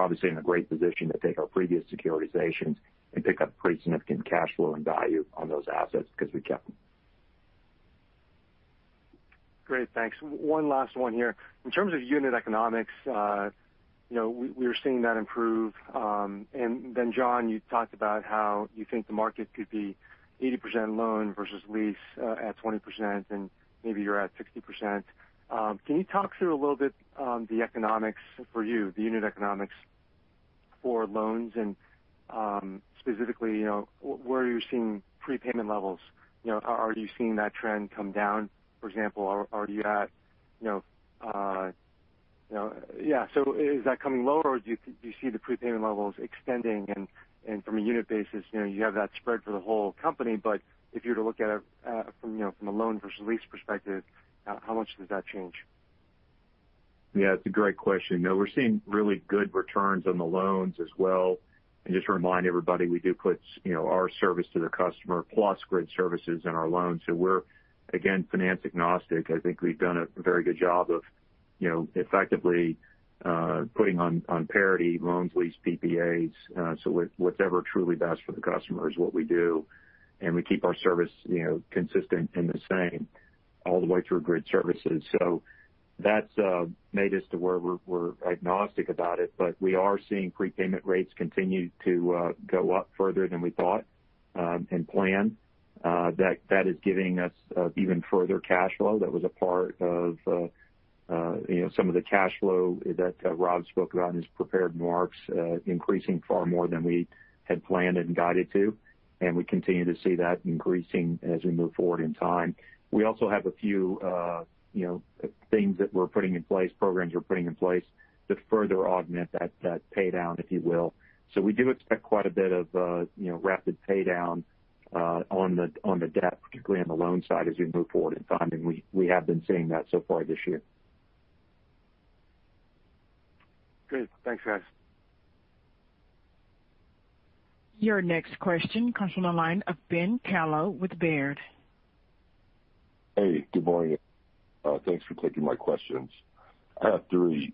obviously in a great position to take our previous securitizations and pick up pretty significant cash flow and value on those assets because we kept them. Great. Thanks. One last one here. In terms of unit economics, we are seeing that improve. John, you talked about how you think the market could be 80% loan versus lease at 20%, and maybe you're at 60%. Can you talk through a little bit the economics for you, the unit economics for loans and specifically, where are you seeing prepayment levels? Are you seeing that trend come down, for example? Is that coming lower, or do you see the prepayment levels extending and from a unit basis, you have that spread for the whole company, but if you were to look at it from a loan versus lease perspective, how much does that change? Yeah, it's a great question. We're seeing really good returns on the loans as well. Just to remind everybody, we do put our service to the customer plus grid services in our loans. We're, again, finance agnostic. I think we've done a very good job of effectively putting on parity loans, lease, PPAs. Whatever truly best for the customer is what we do, and we keep our service consistent and the same all the way through grid services. That's made us to where we're agnostic about it. We are seeing prepayment rates continue to go up further than we thought and planned. That is giving us even further cash flow. That was a part of some of the cash flow that Rob spoke about in his prepared remarks, increasing far more than we had planned and guided to. We continue to see that increasing as we move forward in time. We also have a few things that we're putting in place, programs we're putting in place to further augment that pay down, if you will. We do expect quite a bit of rapid pay down on the debt, particularly on the loan side, as we move forward in time. We have been seeing that so far this year. Great. Thanks, guys. Your next question comes from the line of Ben Kallo with Baird. Hey, good morning. Thanks for taking my questions. I have three.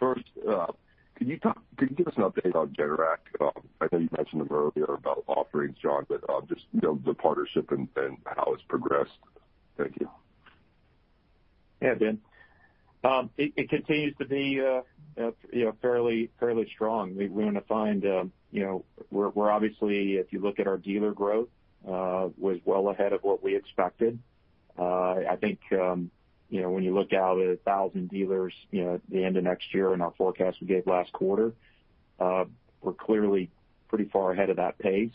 First, can you give us an update on Generac? I know you mentioned them earlier about offerings, John, but just the partnership and how it's progressed. Thank you. Yeah, Ben. It continues to be fairly strong. We're obviously, if you look at our dealer growth, was well ahead of what we expected. I think when you look out at 1,000 dealers at the end of next year in our forecast we gave last quarter, we're clearly pretty far ahead of that pace.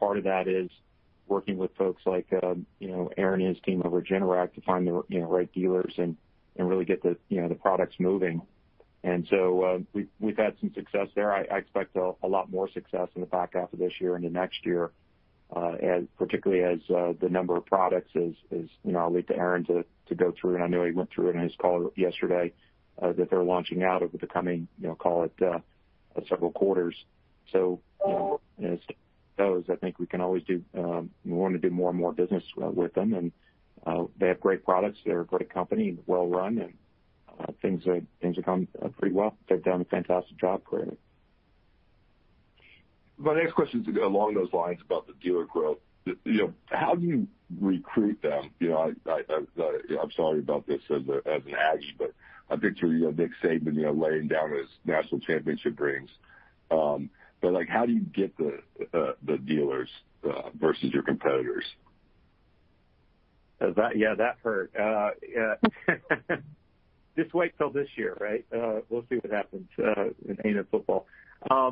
Part of that is working with folks like Aaron and his team over at Generac to find the right dealers and really get the products moving. I expect a lot more success in the back half of this year into next year, particularly as the number of products I'll leave to Aaron to go through, and I know he went through it in his call yesterday, that they're launching out over the coming, call it, several quarters. As to those, I think we want to do more and more business with them. They have great products. They're a great company, well run, and things are going pretty well. They've done a fantastic job for it. My next question is along those lines about the dealer growth. How do you recruit them? I'm sorry about this as an Aggie, but I picture Nick Saban laying down his national championship rings. How do you get the dealers versus your competitors? Yeah, that hurt. Just wait till this year, right? We'll see what happens in A&M football. I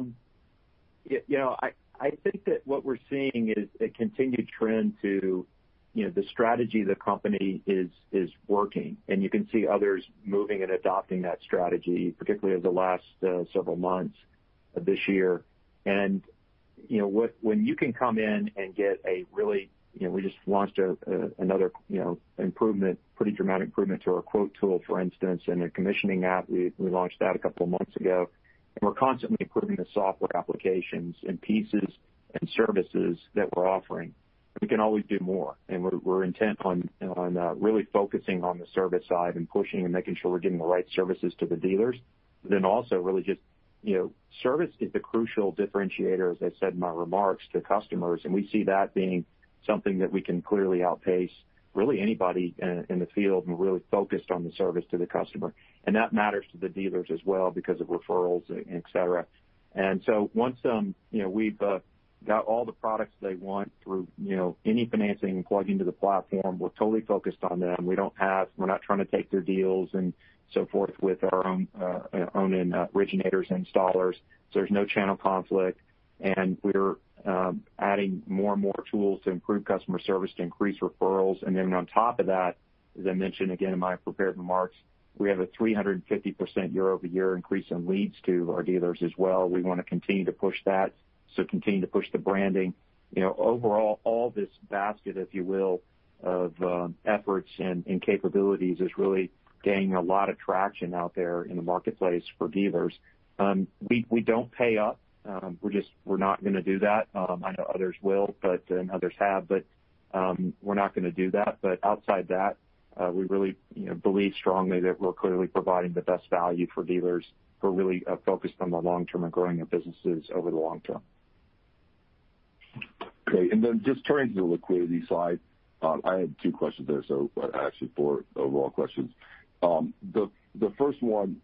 think that what we're seeing is a continued trend to the strategy the company is working, and you can see others moving and adopting that strategy, particularly over the last several months of this year. When you can come in and get another pretty dramatic improvement to our quoting tool, for instance, and a commissioning app. We launched that a couple of months ago. We're constantly improving the software applications and pieces and services that we're offering. We can always do more, and we're intent on really focusing on the service side and pushing and making sure we're getting the right services to the dealers. Also really just service is the crucial differentiator, as I said in my remarks, to customers, and we see that being something that we can clearly outpace really anybody in the field and really focused on the service to the customer. That matters to the dealers as well because of referrals, et cetera. Once we've got all the products they want through any financing and plug into the platform, we're totally focused on them. We're not trying to take their deals and so forth with our own originators and installers. There's no channel conflict, and we're adding more and more tools to improve customer service to increase referrals. On top of that, as I mentioned again in my prepared remarks, we have a 350% year-over-year increase in leads to our dealers as well. We want to continue to push that, so continue to push the branding. Overall, all this basket, if you will, of efforts and capabilities is really gaining a lot of traction out there in the marketplace for dealers. We don't pay up. We're not going to do that. I know others will, and others have, but we're not going to do that. Outside that, we really believe strongly that we're clearly providing the best value for dealers who are really focused on the long term and growing their businesses over the long term. Okay. Just turning to the liquidity side, I have two questions there. Actually four overall questions. The first one,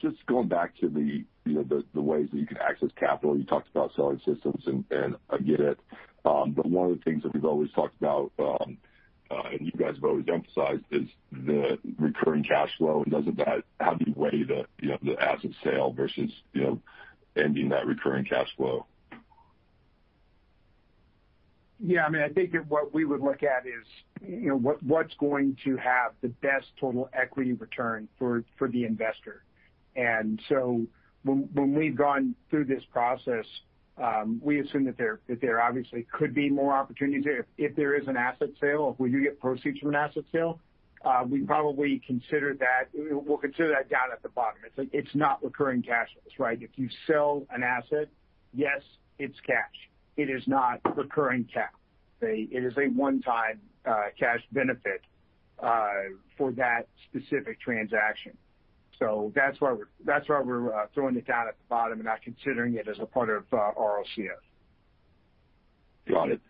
just going back to the ways that you can access capital. You talked about selling systems, and I get it. One of the things that we've always talked about, and you guys have always emphasized, is the recurring cash flow and those about how do you weigh the asset sale versus ending that recurring cash flow? Yeah. I think that what we would look at is what's going to have the best total equity return for the investor. When we've gone through this process, we assume that there obviously could be more opportunities there. If there is an asset sale, if we do get proceeds from an asset sale, we'll consider that down at the bottom. It's not recurring cash flows, right? If you sell an asset, yes, it's cash. It is not recurring cash. It is a one-time cash benefit for that specific transaction. That's why we're throwing it down at the bottom and not considering it as a part of our RCF. Got it.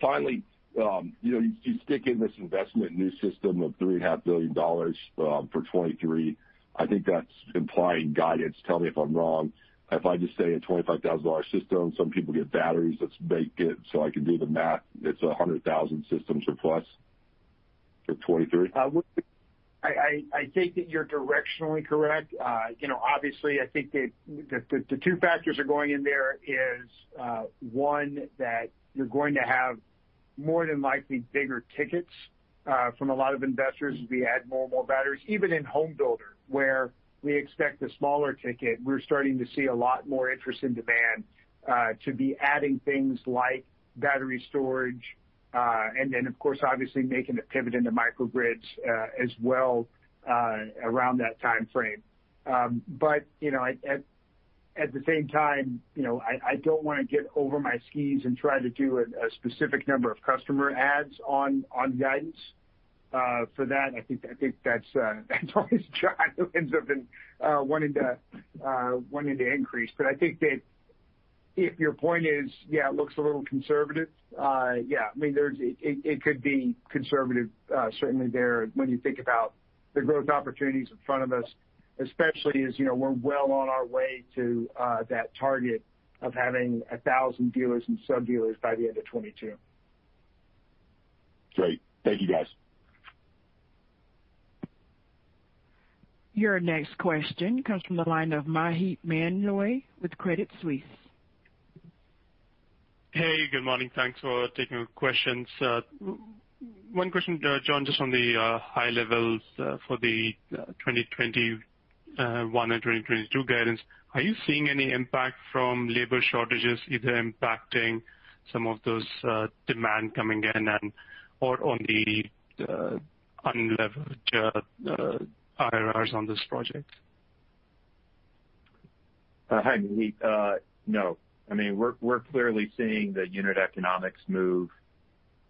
Finally, you stick in this investment new system of $3.5 billion for 2023. I think that's implying guidance. Tell me if I'm wrong. If I just say a $25,000 system, some people get batteries. Let's make it so I can do the math. It's 100,000 systems or plus for 2023? I think that you're directionally correct. I think that the two factors are going in there is one, that you're going to have more than likely bigger tickets from a lot of investors as we add more and more batteries. Even in home builder, where we expect a smaller ticket, we're starting to see a lot more interest and demand to be adding things like battery storage. Of course, obviously making the pivot into microgrids as well around that timeframe. At the same time, I don't want to get over my skis and try to do a specific number of customer adds on guidance for that. I think that's always John who ends up wanting to increase. I think that if your point is it looks a little conservative, yeah. It could be conservative certainly there when you think about the growth opportunities in front of us, especially as we're well on our way to that target of having 1,000 dealers and sub-dealers by the end of 2022. Great. Thank you, guys. Your next question comes from the line of Maheep Mandloi with Credit Suisse. Hey, good morning. Thanks for taking the questions. One question, John, just on the high levels for the 2021 and 2022 guidance. Are you seeing any impact from labor shortages either impacting some of those demand coming in or on the unlevered IRRs on this project? Hi, Maheep. No. We're clearly seeing the unit economics move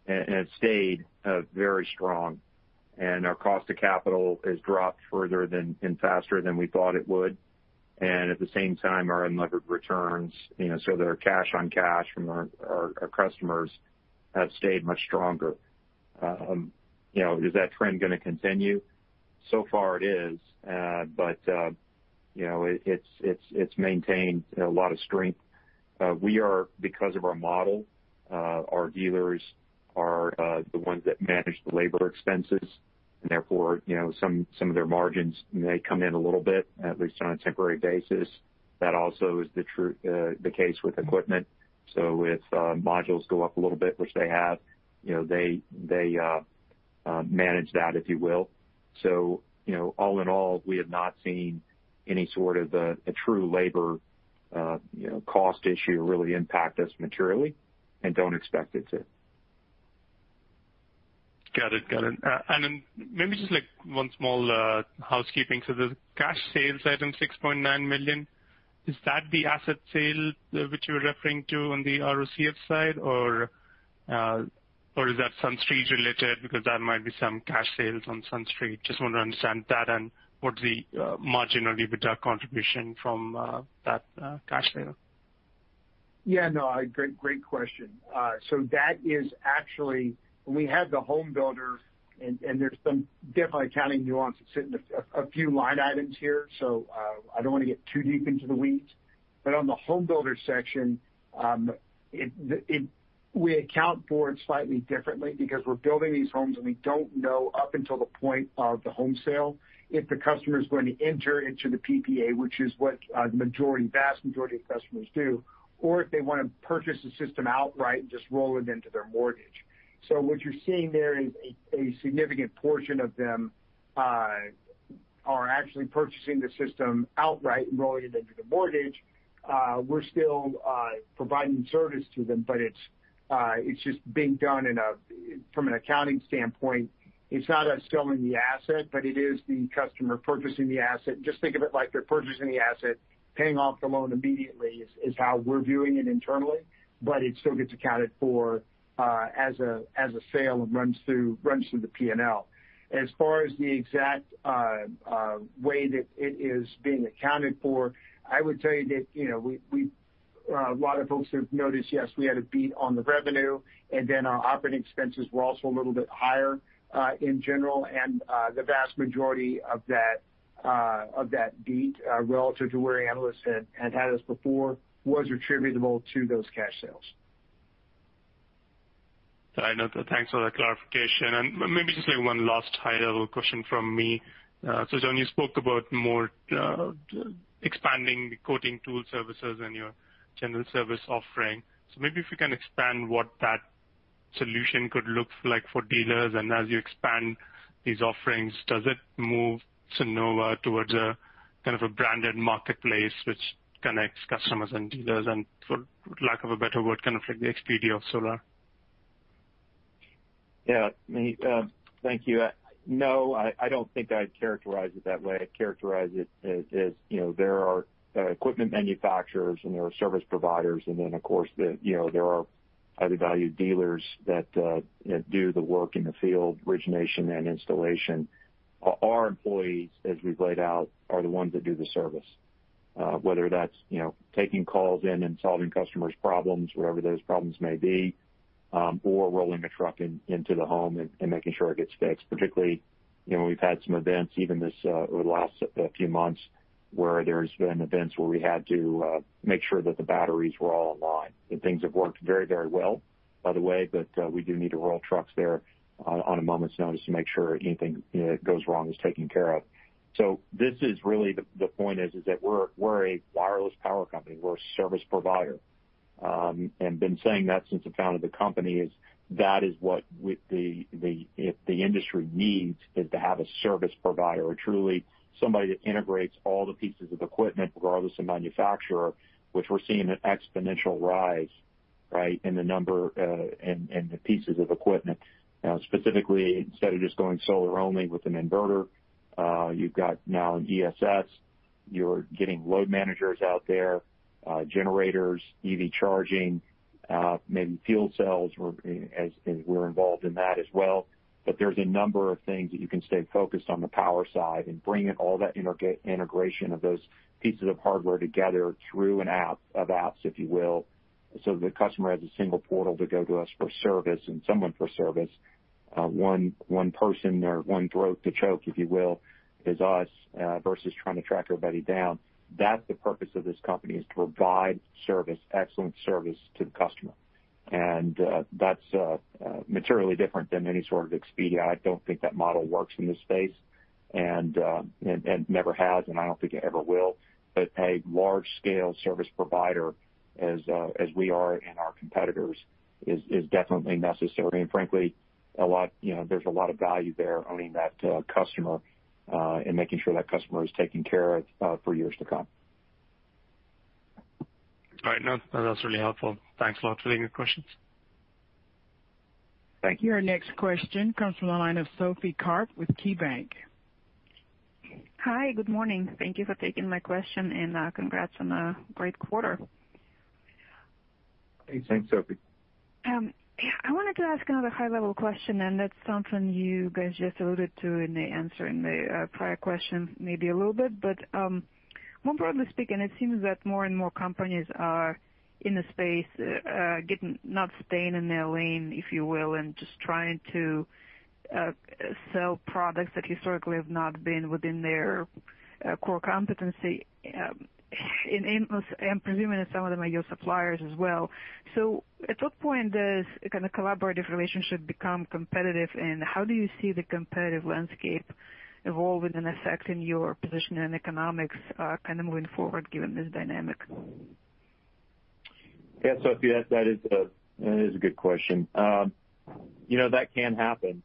and have stayed very strong. Our cost of capital has dropped further and faster than we thought it would. At the same time, our unlevered returns, so their cash on cash from our customers, have stayed much stronger. Is that trend going to continue? So far it is. It's maintained a lot of strength. Because of our model, our dealers are the ones that manage the labor expenses, and therefore, some of their margins may come in a little bit, at least on a temporary basis. That also is the case with equipment. If modules go up a little bit, which they have, they manage that, if you will. All in all, we have not seen any sort of a true labor cost issue really impact us materially and don't expect it to. Got it. Then maybe just one small housekeeping. The cash sales item, $6.9 million, is that the asset sale which you were referring to on the ROCF side, or is that SunStreet related? That might be some cash sales on SunStreet. I just want to understand that and what the margin or EBITDA contribution from that cash sale. No, great question. That is actually when we had the home builder, and there's some definitely accounting nuance that's sitting a few line items here, I don't want to get too deep into the weeds. On the home builder section, we account for it slightly differently because we're building these homes, and we don't know up until the point of the home sale if the customer is going to enter into the PPA, which is what the vast majority of customers do, or if they want to purchase the system outright and just roll it into their mortgage. What you're seeing there is a significant portion of them are actually purchasing the system outright and rolling it into the mortgage. We're still providing service to them, but it's just being done from an accounting standpoint. It's not us selling the asset, but it is the customer purchasing the asset. Just think of it like they're purchasing the asset, paying off the loan immediately is how we're viewing it internally, but it still gets accounted for as a sale and runs through the P&L. As far as the exact way that it is being accounted for, I would tell you that a lot of folks have noticed, yes, we had a beat on the revenue and then our operating expenses were also a little bit higher in general. The vast majority of that beat relative to where analysts had had us before was attributable to those cash sales. Thanks for that clarification. Maybe just one last high-level question from me. John, you spoke about more expanding the quoting tool services and your general service offering. Maybe if you can expand what that solution could look like for dealers. As you expand these offerings, does it move Sunnova towards a kind of a branded marketplace which connects customers and dealers, and for lack of a better word, kind of like the Expedia of solar? Yeah, Maheep. Thank you. I don't think I'd characterize it that way. I'd characterize it as there are equipment manufacturers and there are service providers, and then, of course, there are highly valued dealers that do the work in the field, origination and installation. Our employees, as we've laid out, are the ones that do the service. Whether that's taking calls in and solving customers' problems, whatever those problems may be, or rolling a truck into the home and making sure it gets fixed. Particularly, we've had some events even over the last few months where there's been events where we had to make sure that the batteries were all online. Things have worked very well, by the way, but we do need to roll trucks there on a moment's notice to make sure anything that goes wrong is taken care of. This is really the point is that we're a wireless power company. We're a service provider. Been saying that since the founding of the company is that is what the industry needs, is to have a service provider or truly somebody that integrates all the pieces of equipment regardless of manufacturer, which we're seeing an exponential rise in the number and the pieces of equipment. Now specifically, instead of just going solar only with an inverter, you've got now an ESS. You're getting load managers out there, generators, EV charging, maybe fuel cells as we're involved in that as well. There's a number of things that you can stay focused on the power side and bring in all that integration of those pieces of hardware together through an app of apps, if you will, so the customer has a single portal to go to us for service and someone for service. One person or one throat to choke, if you will, is us versus trying to track everybody down. That's the purpose of this company is to provide service, excellent service to the customer. That's materially different than any sort of Expedia. I don't think that model works in this space and never has, and I don't think it ever will. A large-scale service provider as we are and our competitors is definitely necessary. Frankly, there's a lot of value there owning that customer and making sure that customer is taken care of for years to come. All right. No, that's really helpful. Thanks a lot for the good questions. Thank you. Our next question comes from the line of Sophie Karp with KeyBanc. Hi. Good morning. Thank you for taking my question and congrats on a great quarter. Hey, thanks, Sophie. I wanted to ask another high-level question, and that's something you guys just alluded to in the answer in the prior question maybe a little bit. More broadly speaking, it seems that more and more companies are in the space, not staying in their lane, if you will, and just trying to sell products that historically have not been within their core competency. I am presuming that some of them are your suppliers as well. At what point does a kind of collaborative relationship become competitive, and how do you see the competitive landscape evolving and affecting your position and economics kind of moving forward given this dynamic? Yeah. Sophie, that is a good question. That can happen.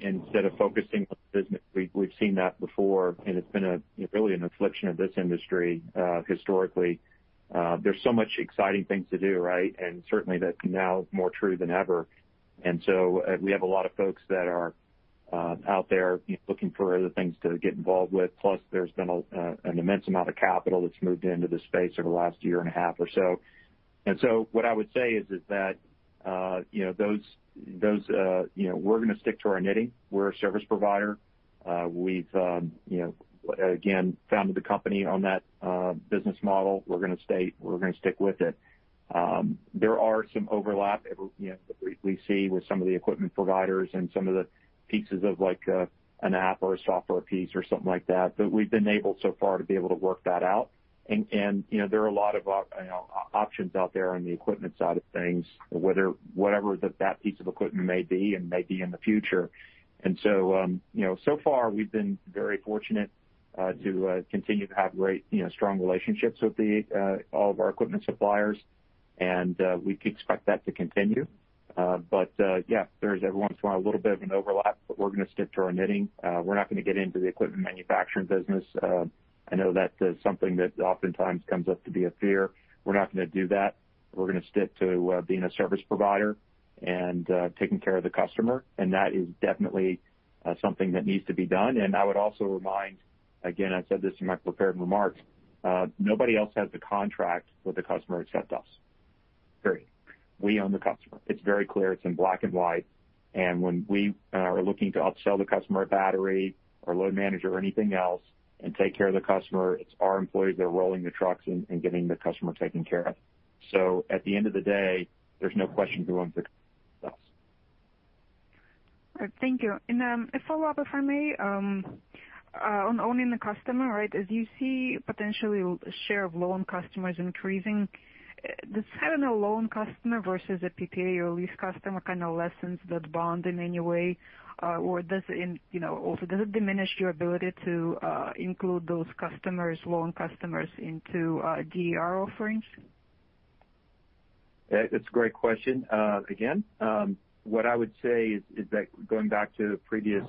Instead of focusing on business, we've seen that before, and it's been really an affliction of this industry historically. There's so much exciting things to do, right? Certainly that now is more true than ever. We have a lot of folks that are out there looking for other things to get involved with. Plus, there's been an immense amount of capital that's moved into this space over the last year and a half or so. What I would say is that we're going to stick to our knitting. We're a service provider. We've, again, founded the company on that business model. We're going to stick with it. There are some overlap that we see with some of the equipment providers and some of the pieces of an app or a software piece or something like that, but we've been able so far to be able to work that out. There are a lot of options out there on the equipment side of things, whatever that piece of equipment may be and may be in the future. So far, we've been very fortunate to continue to have great, strong relationships with all of our equipment suppliers, and we expect that to continue. Yeah, there's every once in a while a little bit of an overlap, but we're going to stick to our knitting. We're not going to get into the equipment manufacturing business. I know that that's something that oftentimes comes up to be a fear. We're not going to do that. We're going to stick to being a service provider and taking care of the customer, and that is definitely something that needs to be done. I would also remind, again, I said this in my prepared remarks, nobody else has the contract with the customer except us. Period. We own the customer. It's very clear. It's in black and white. When we are looking to upsell the customer a battery or load manager or anything else and take care of the customer, it's our employees that are rolling the trucks and getting the customer taken care of. At the end of the day, there's no question who owns the customer. It's us. Thank you. A follow-up, if I may, on owning the customer, right? As you see potentially share of loan customers increasing, does having a loan customer versus a PPA or lease customer kind of lessen that bond in any way? Also does it diminish your ability to include those customers, loan customers, into DER offerings? That's a great question. What I would say is that going back to the previous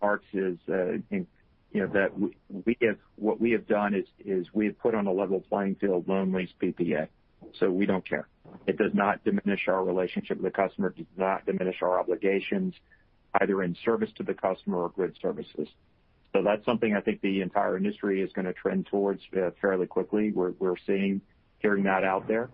marks is what we have done is we have put on a level playing field loan, lease, PPA. We don't care. It does not diminish our relationship with the customer. It does not diminish our obligations either in service to the customer or grid services. That's something I think the entire industry is going to trend towards fairly quickly. We're seeing, hearing that out there.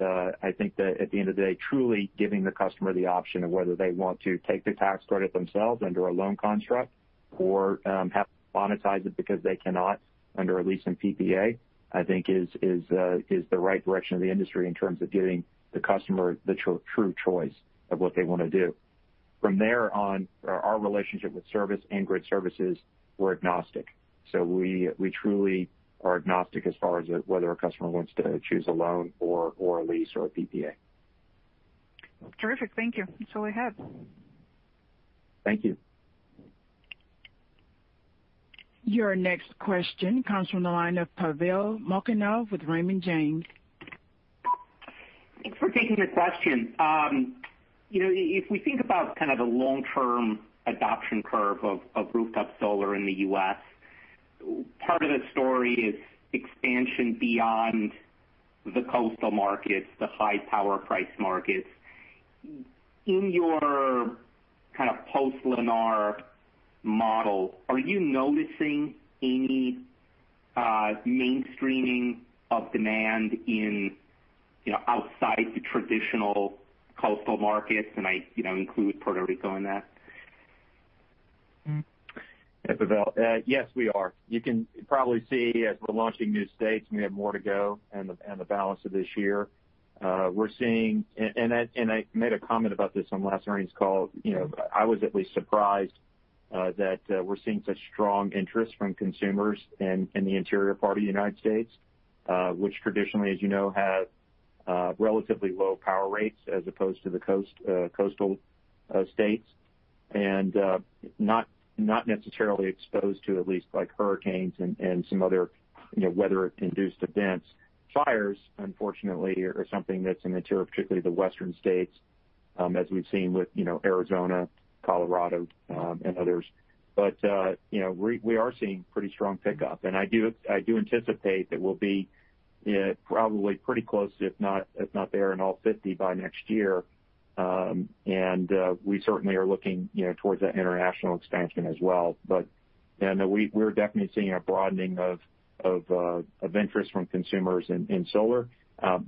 I think that at the end of the day, truly giving the customer the option of whether they want to take the tax credit themselves under a loan construct or have to monetize it because they cannot under a lease and PPA, I think is the right direction of the industry in terms of giving the customer the true choice of what they want to do. From there on, our relationship with service and grid services, we're agnostic. We truly are agnostic as far as whether a customer wants to choose a loan or a lease or a PPA. Terrific. Thank you. That's all I have. Thank you. Your next question comes from the line of Pavel Molchanov with Raymond James. Thanks for taking the question. If we think about kind of the long-term adoption curve of rooftop solar in the U.S., part of the story is expansion beyond the coastal markets, the high power price markets. In your kind of post-Lennar model, are you noticing any mainstreaming of demand outside the traditional coastal markets, and I include Puerto Rico in that? Yeah, Pavel. Yes, we are. You can probably see as we're launching new states, and we have more to go in the balance of this year. We're seeing, and I made a comment about this on last earnings call. I was at least surprised that we're seeing such strong interest from consumers in the interior part of the United States, which traditionally, as you know, have relatively low power rates as opposed to the coastal states, and not necessarily exposed to at least hurricanes and some other weather-induced events. Fires, unfortunately, are something that's in the interior, particularly the western states. As we've seen with Arizona, Colorado, and others. We are seeing pretty strong pickup, and I do anticipate that we'll be probably pretty close, if not there in all 50% by next year. We certainly are looking towards that international expansion as well. We're definitely seeing a broadening of interest from consumers in solar.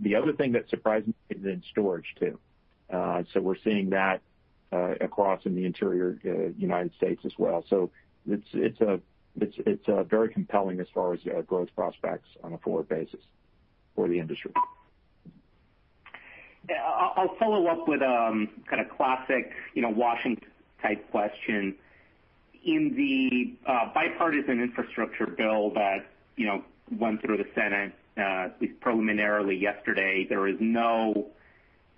The other thing that surprised me is in storage, too. We're seeing that across in the interior U.S. as well. It's very compelling as far as growth prospects on a forward basis for the industry. Yeah. I'll follow up with kind of classic Washington-type question. In the Bipartisan Infrastructure Bill that went through the Senate, at least preliminarily yesterday, there is no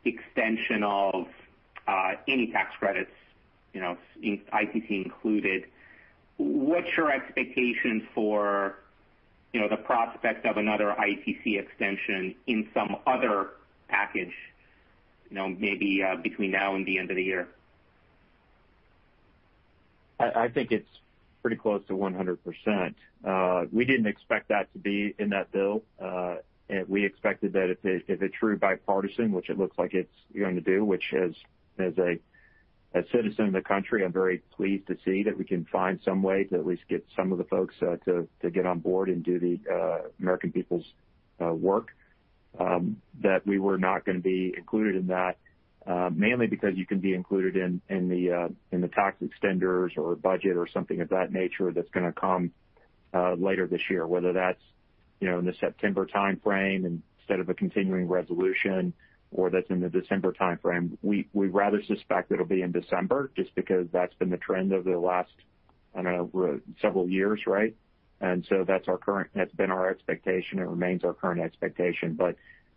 extension of any tax credits, ITC included. What's your expectation for the prospect of another ITC extension in some other package, maybe between now and the end of the year? I think it's pretty close to 100%. We didn't expect that to be in that bill. We expected that if it's true bipartisan, which it looks like it's going to do, which as a citizen of the country, I'm very pleased to see that we can find some way to at least get some of the folks to get on board and do the American people's work. We were not going to be included in that, mainly because you can be included in the tax extenders or budget or something of that nature that's going to come later this year, whether that's in the September timeframe instead of a continuing resolution, or that's in the December timeframe. We rather suspect it'll be in December, just because that's been the trend over the last, I don't know, several years, right? That's been our expectation and remains our current expectation,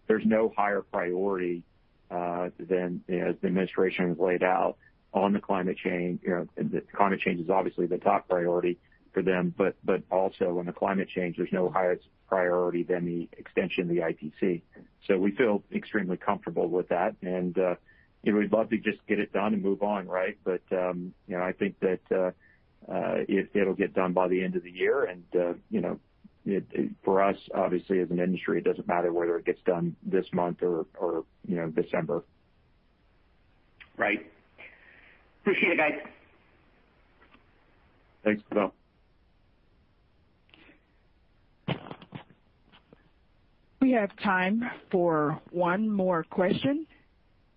there's no higher priority than as the administration has laid out on the climate change. The climate change is obviously the top priority for them, also on the climate change, there's no higher priority than the extension of the ITC. We feel extremely comfortable with that, and we'd love to just get it done and move on, right? I think that it'll get done by the end of the year, and for us, obviously as an industry, it doesn't matter whether it gets done this month or December. Right. Appreciate it, guys. Thanks, Pavel. We have time for one more question.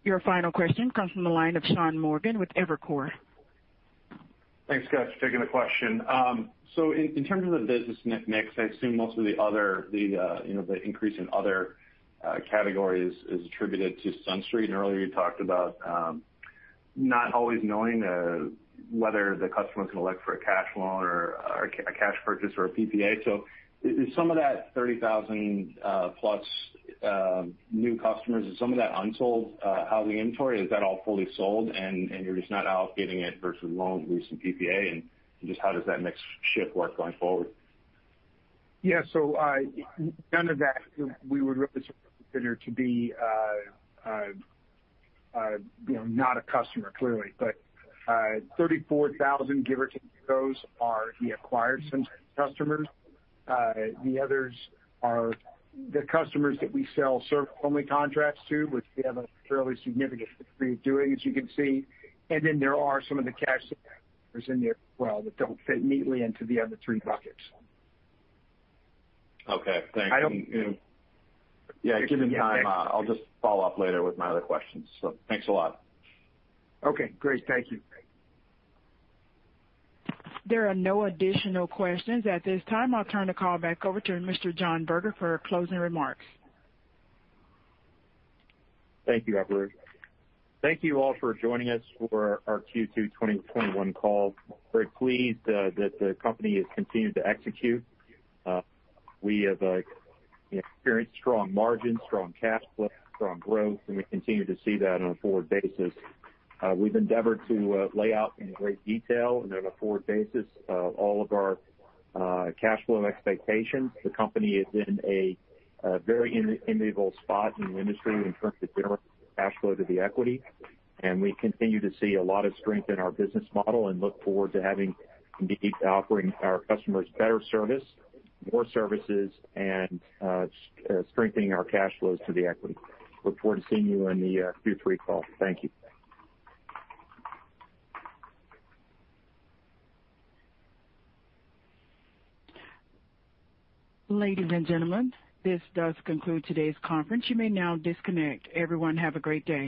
Your final question comes from the line of Sean Morgan with Evercore. Thanks, guys, for taking the question. In terms of the business mix, I assume most of the increase in other categories is attributed to SunStreet. Earlier, you talked about not always knowing whether the customer can elect for a cash loan or a cash purchase or a PPA. Is some of that 30,000+ new customers, is some of that unsold housing inventory? Is that all fully sold and you're just not out getting it versus loans and PPA, and just how does that mix shift work going forward? None of that we would really consider to be not a customer, clearly. 34,000, give or take, of those are the acquired SunStreet customers. The others are the customers that we sell service-only contracts to, which we have a fairly significant history of doing, as you can see. There are some of the cash customers in there as well that don't fit neatly into the other three buckets. Okay. Thanks. I don't- Yeah, given time, I'll just follow up later with my other questions. Thanks a lot. Okay, great. Thank you. There are no additional questions at this time. I'll turn the call back over to Mr. John Berger for closing remarks. Thank you, operator. Thank you all for joining us for our Q2 2021 call. Very pleased that the company has continued to execute. We have experienced strong margins, strong cash flow, strong growth, and we continue to see that on a forward basis. We've endeavored to lay out in great detail and on a forward basis all of our cash flow expectations. The company is in a very enviable spot in the industry in terms of generating cash flow to the equity, and we continue to see a lot of strength in our business model and look forward to having indeed offering our customers better service, more services, and strengthening our cash flows to the equity. Look forward to seeing you on the Q3 call. Thank you. Ladies and gentlemen, this does conclude today's conference. You may now disconnect. Everyone, have a great day.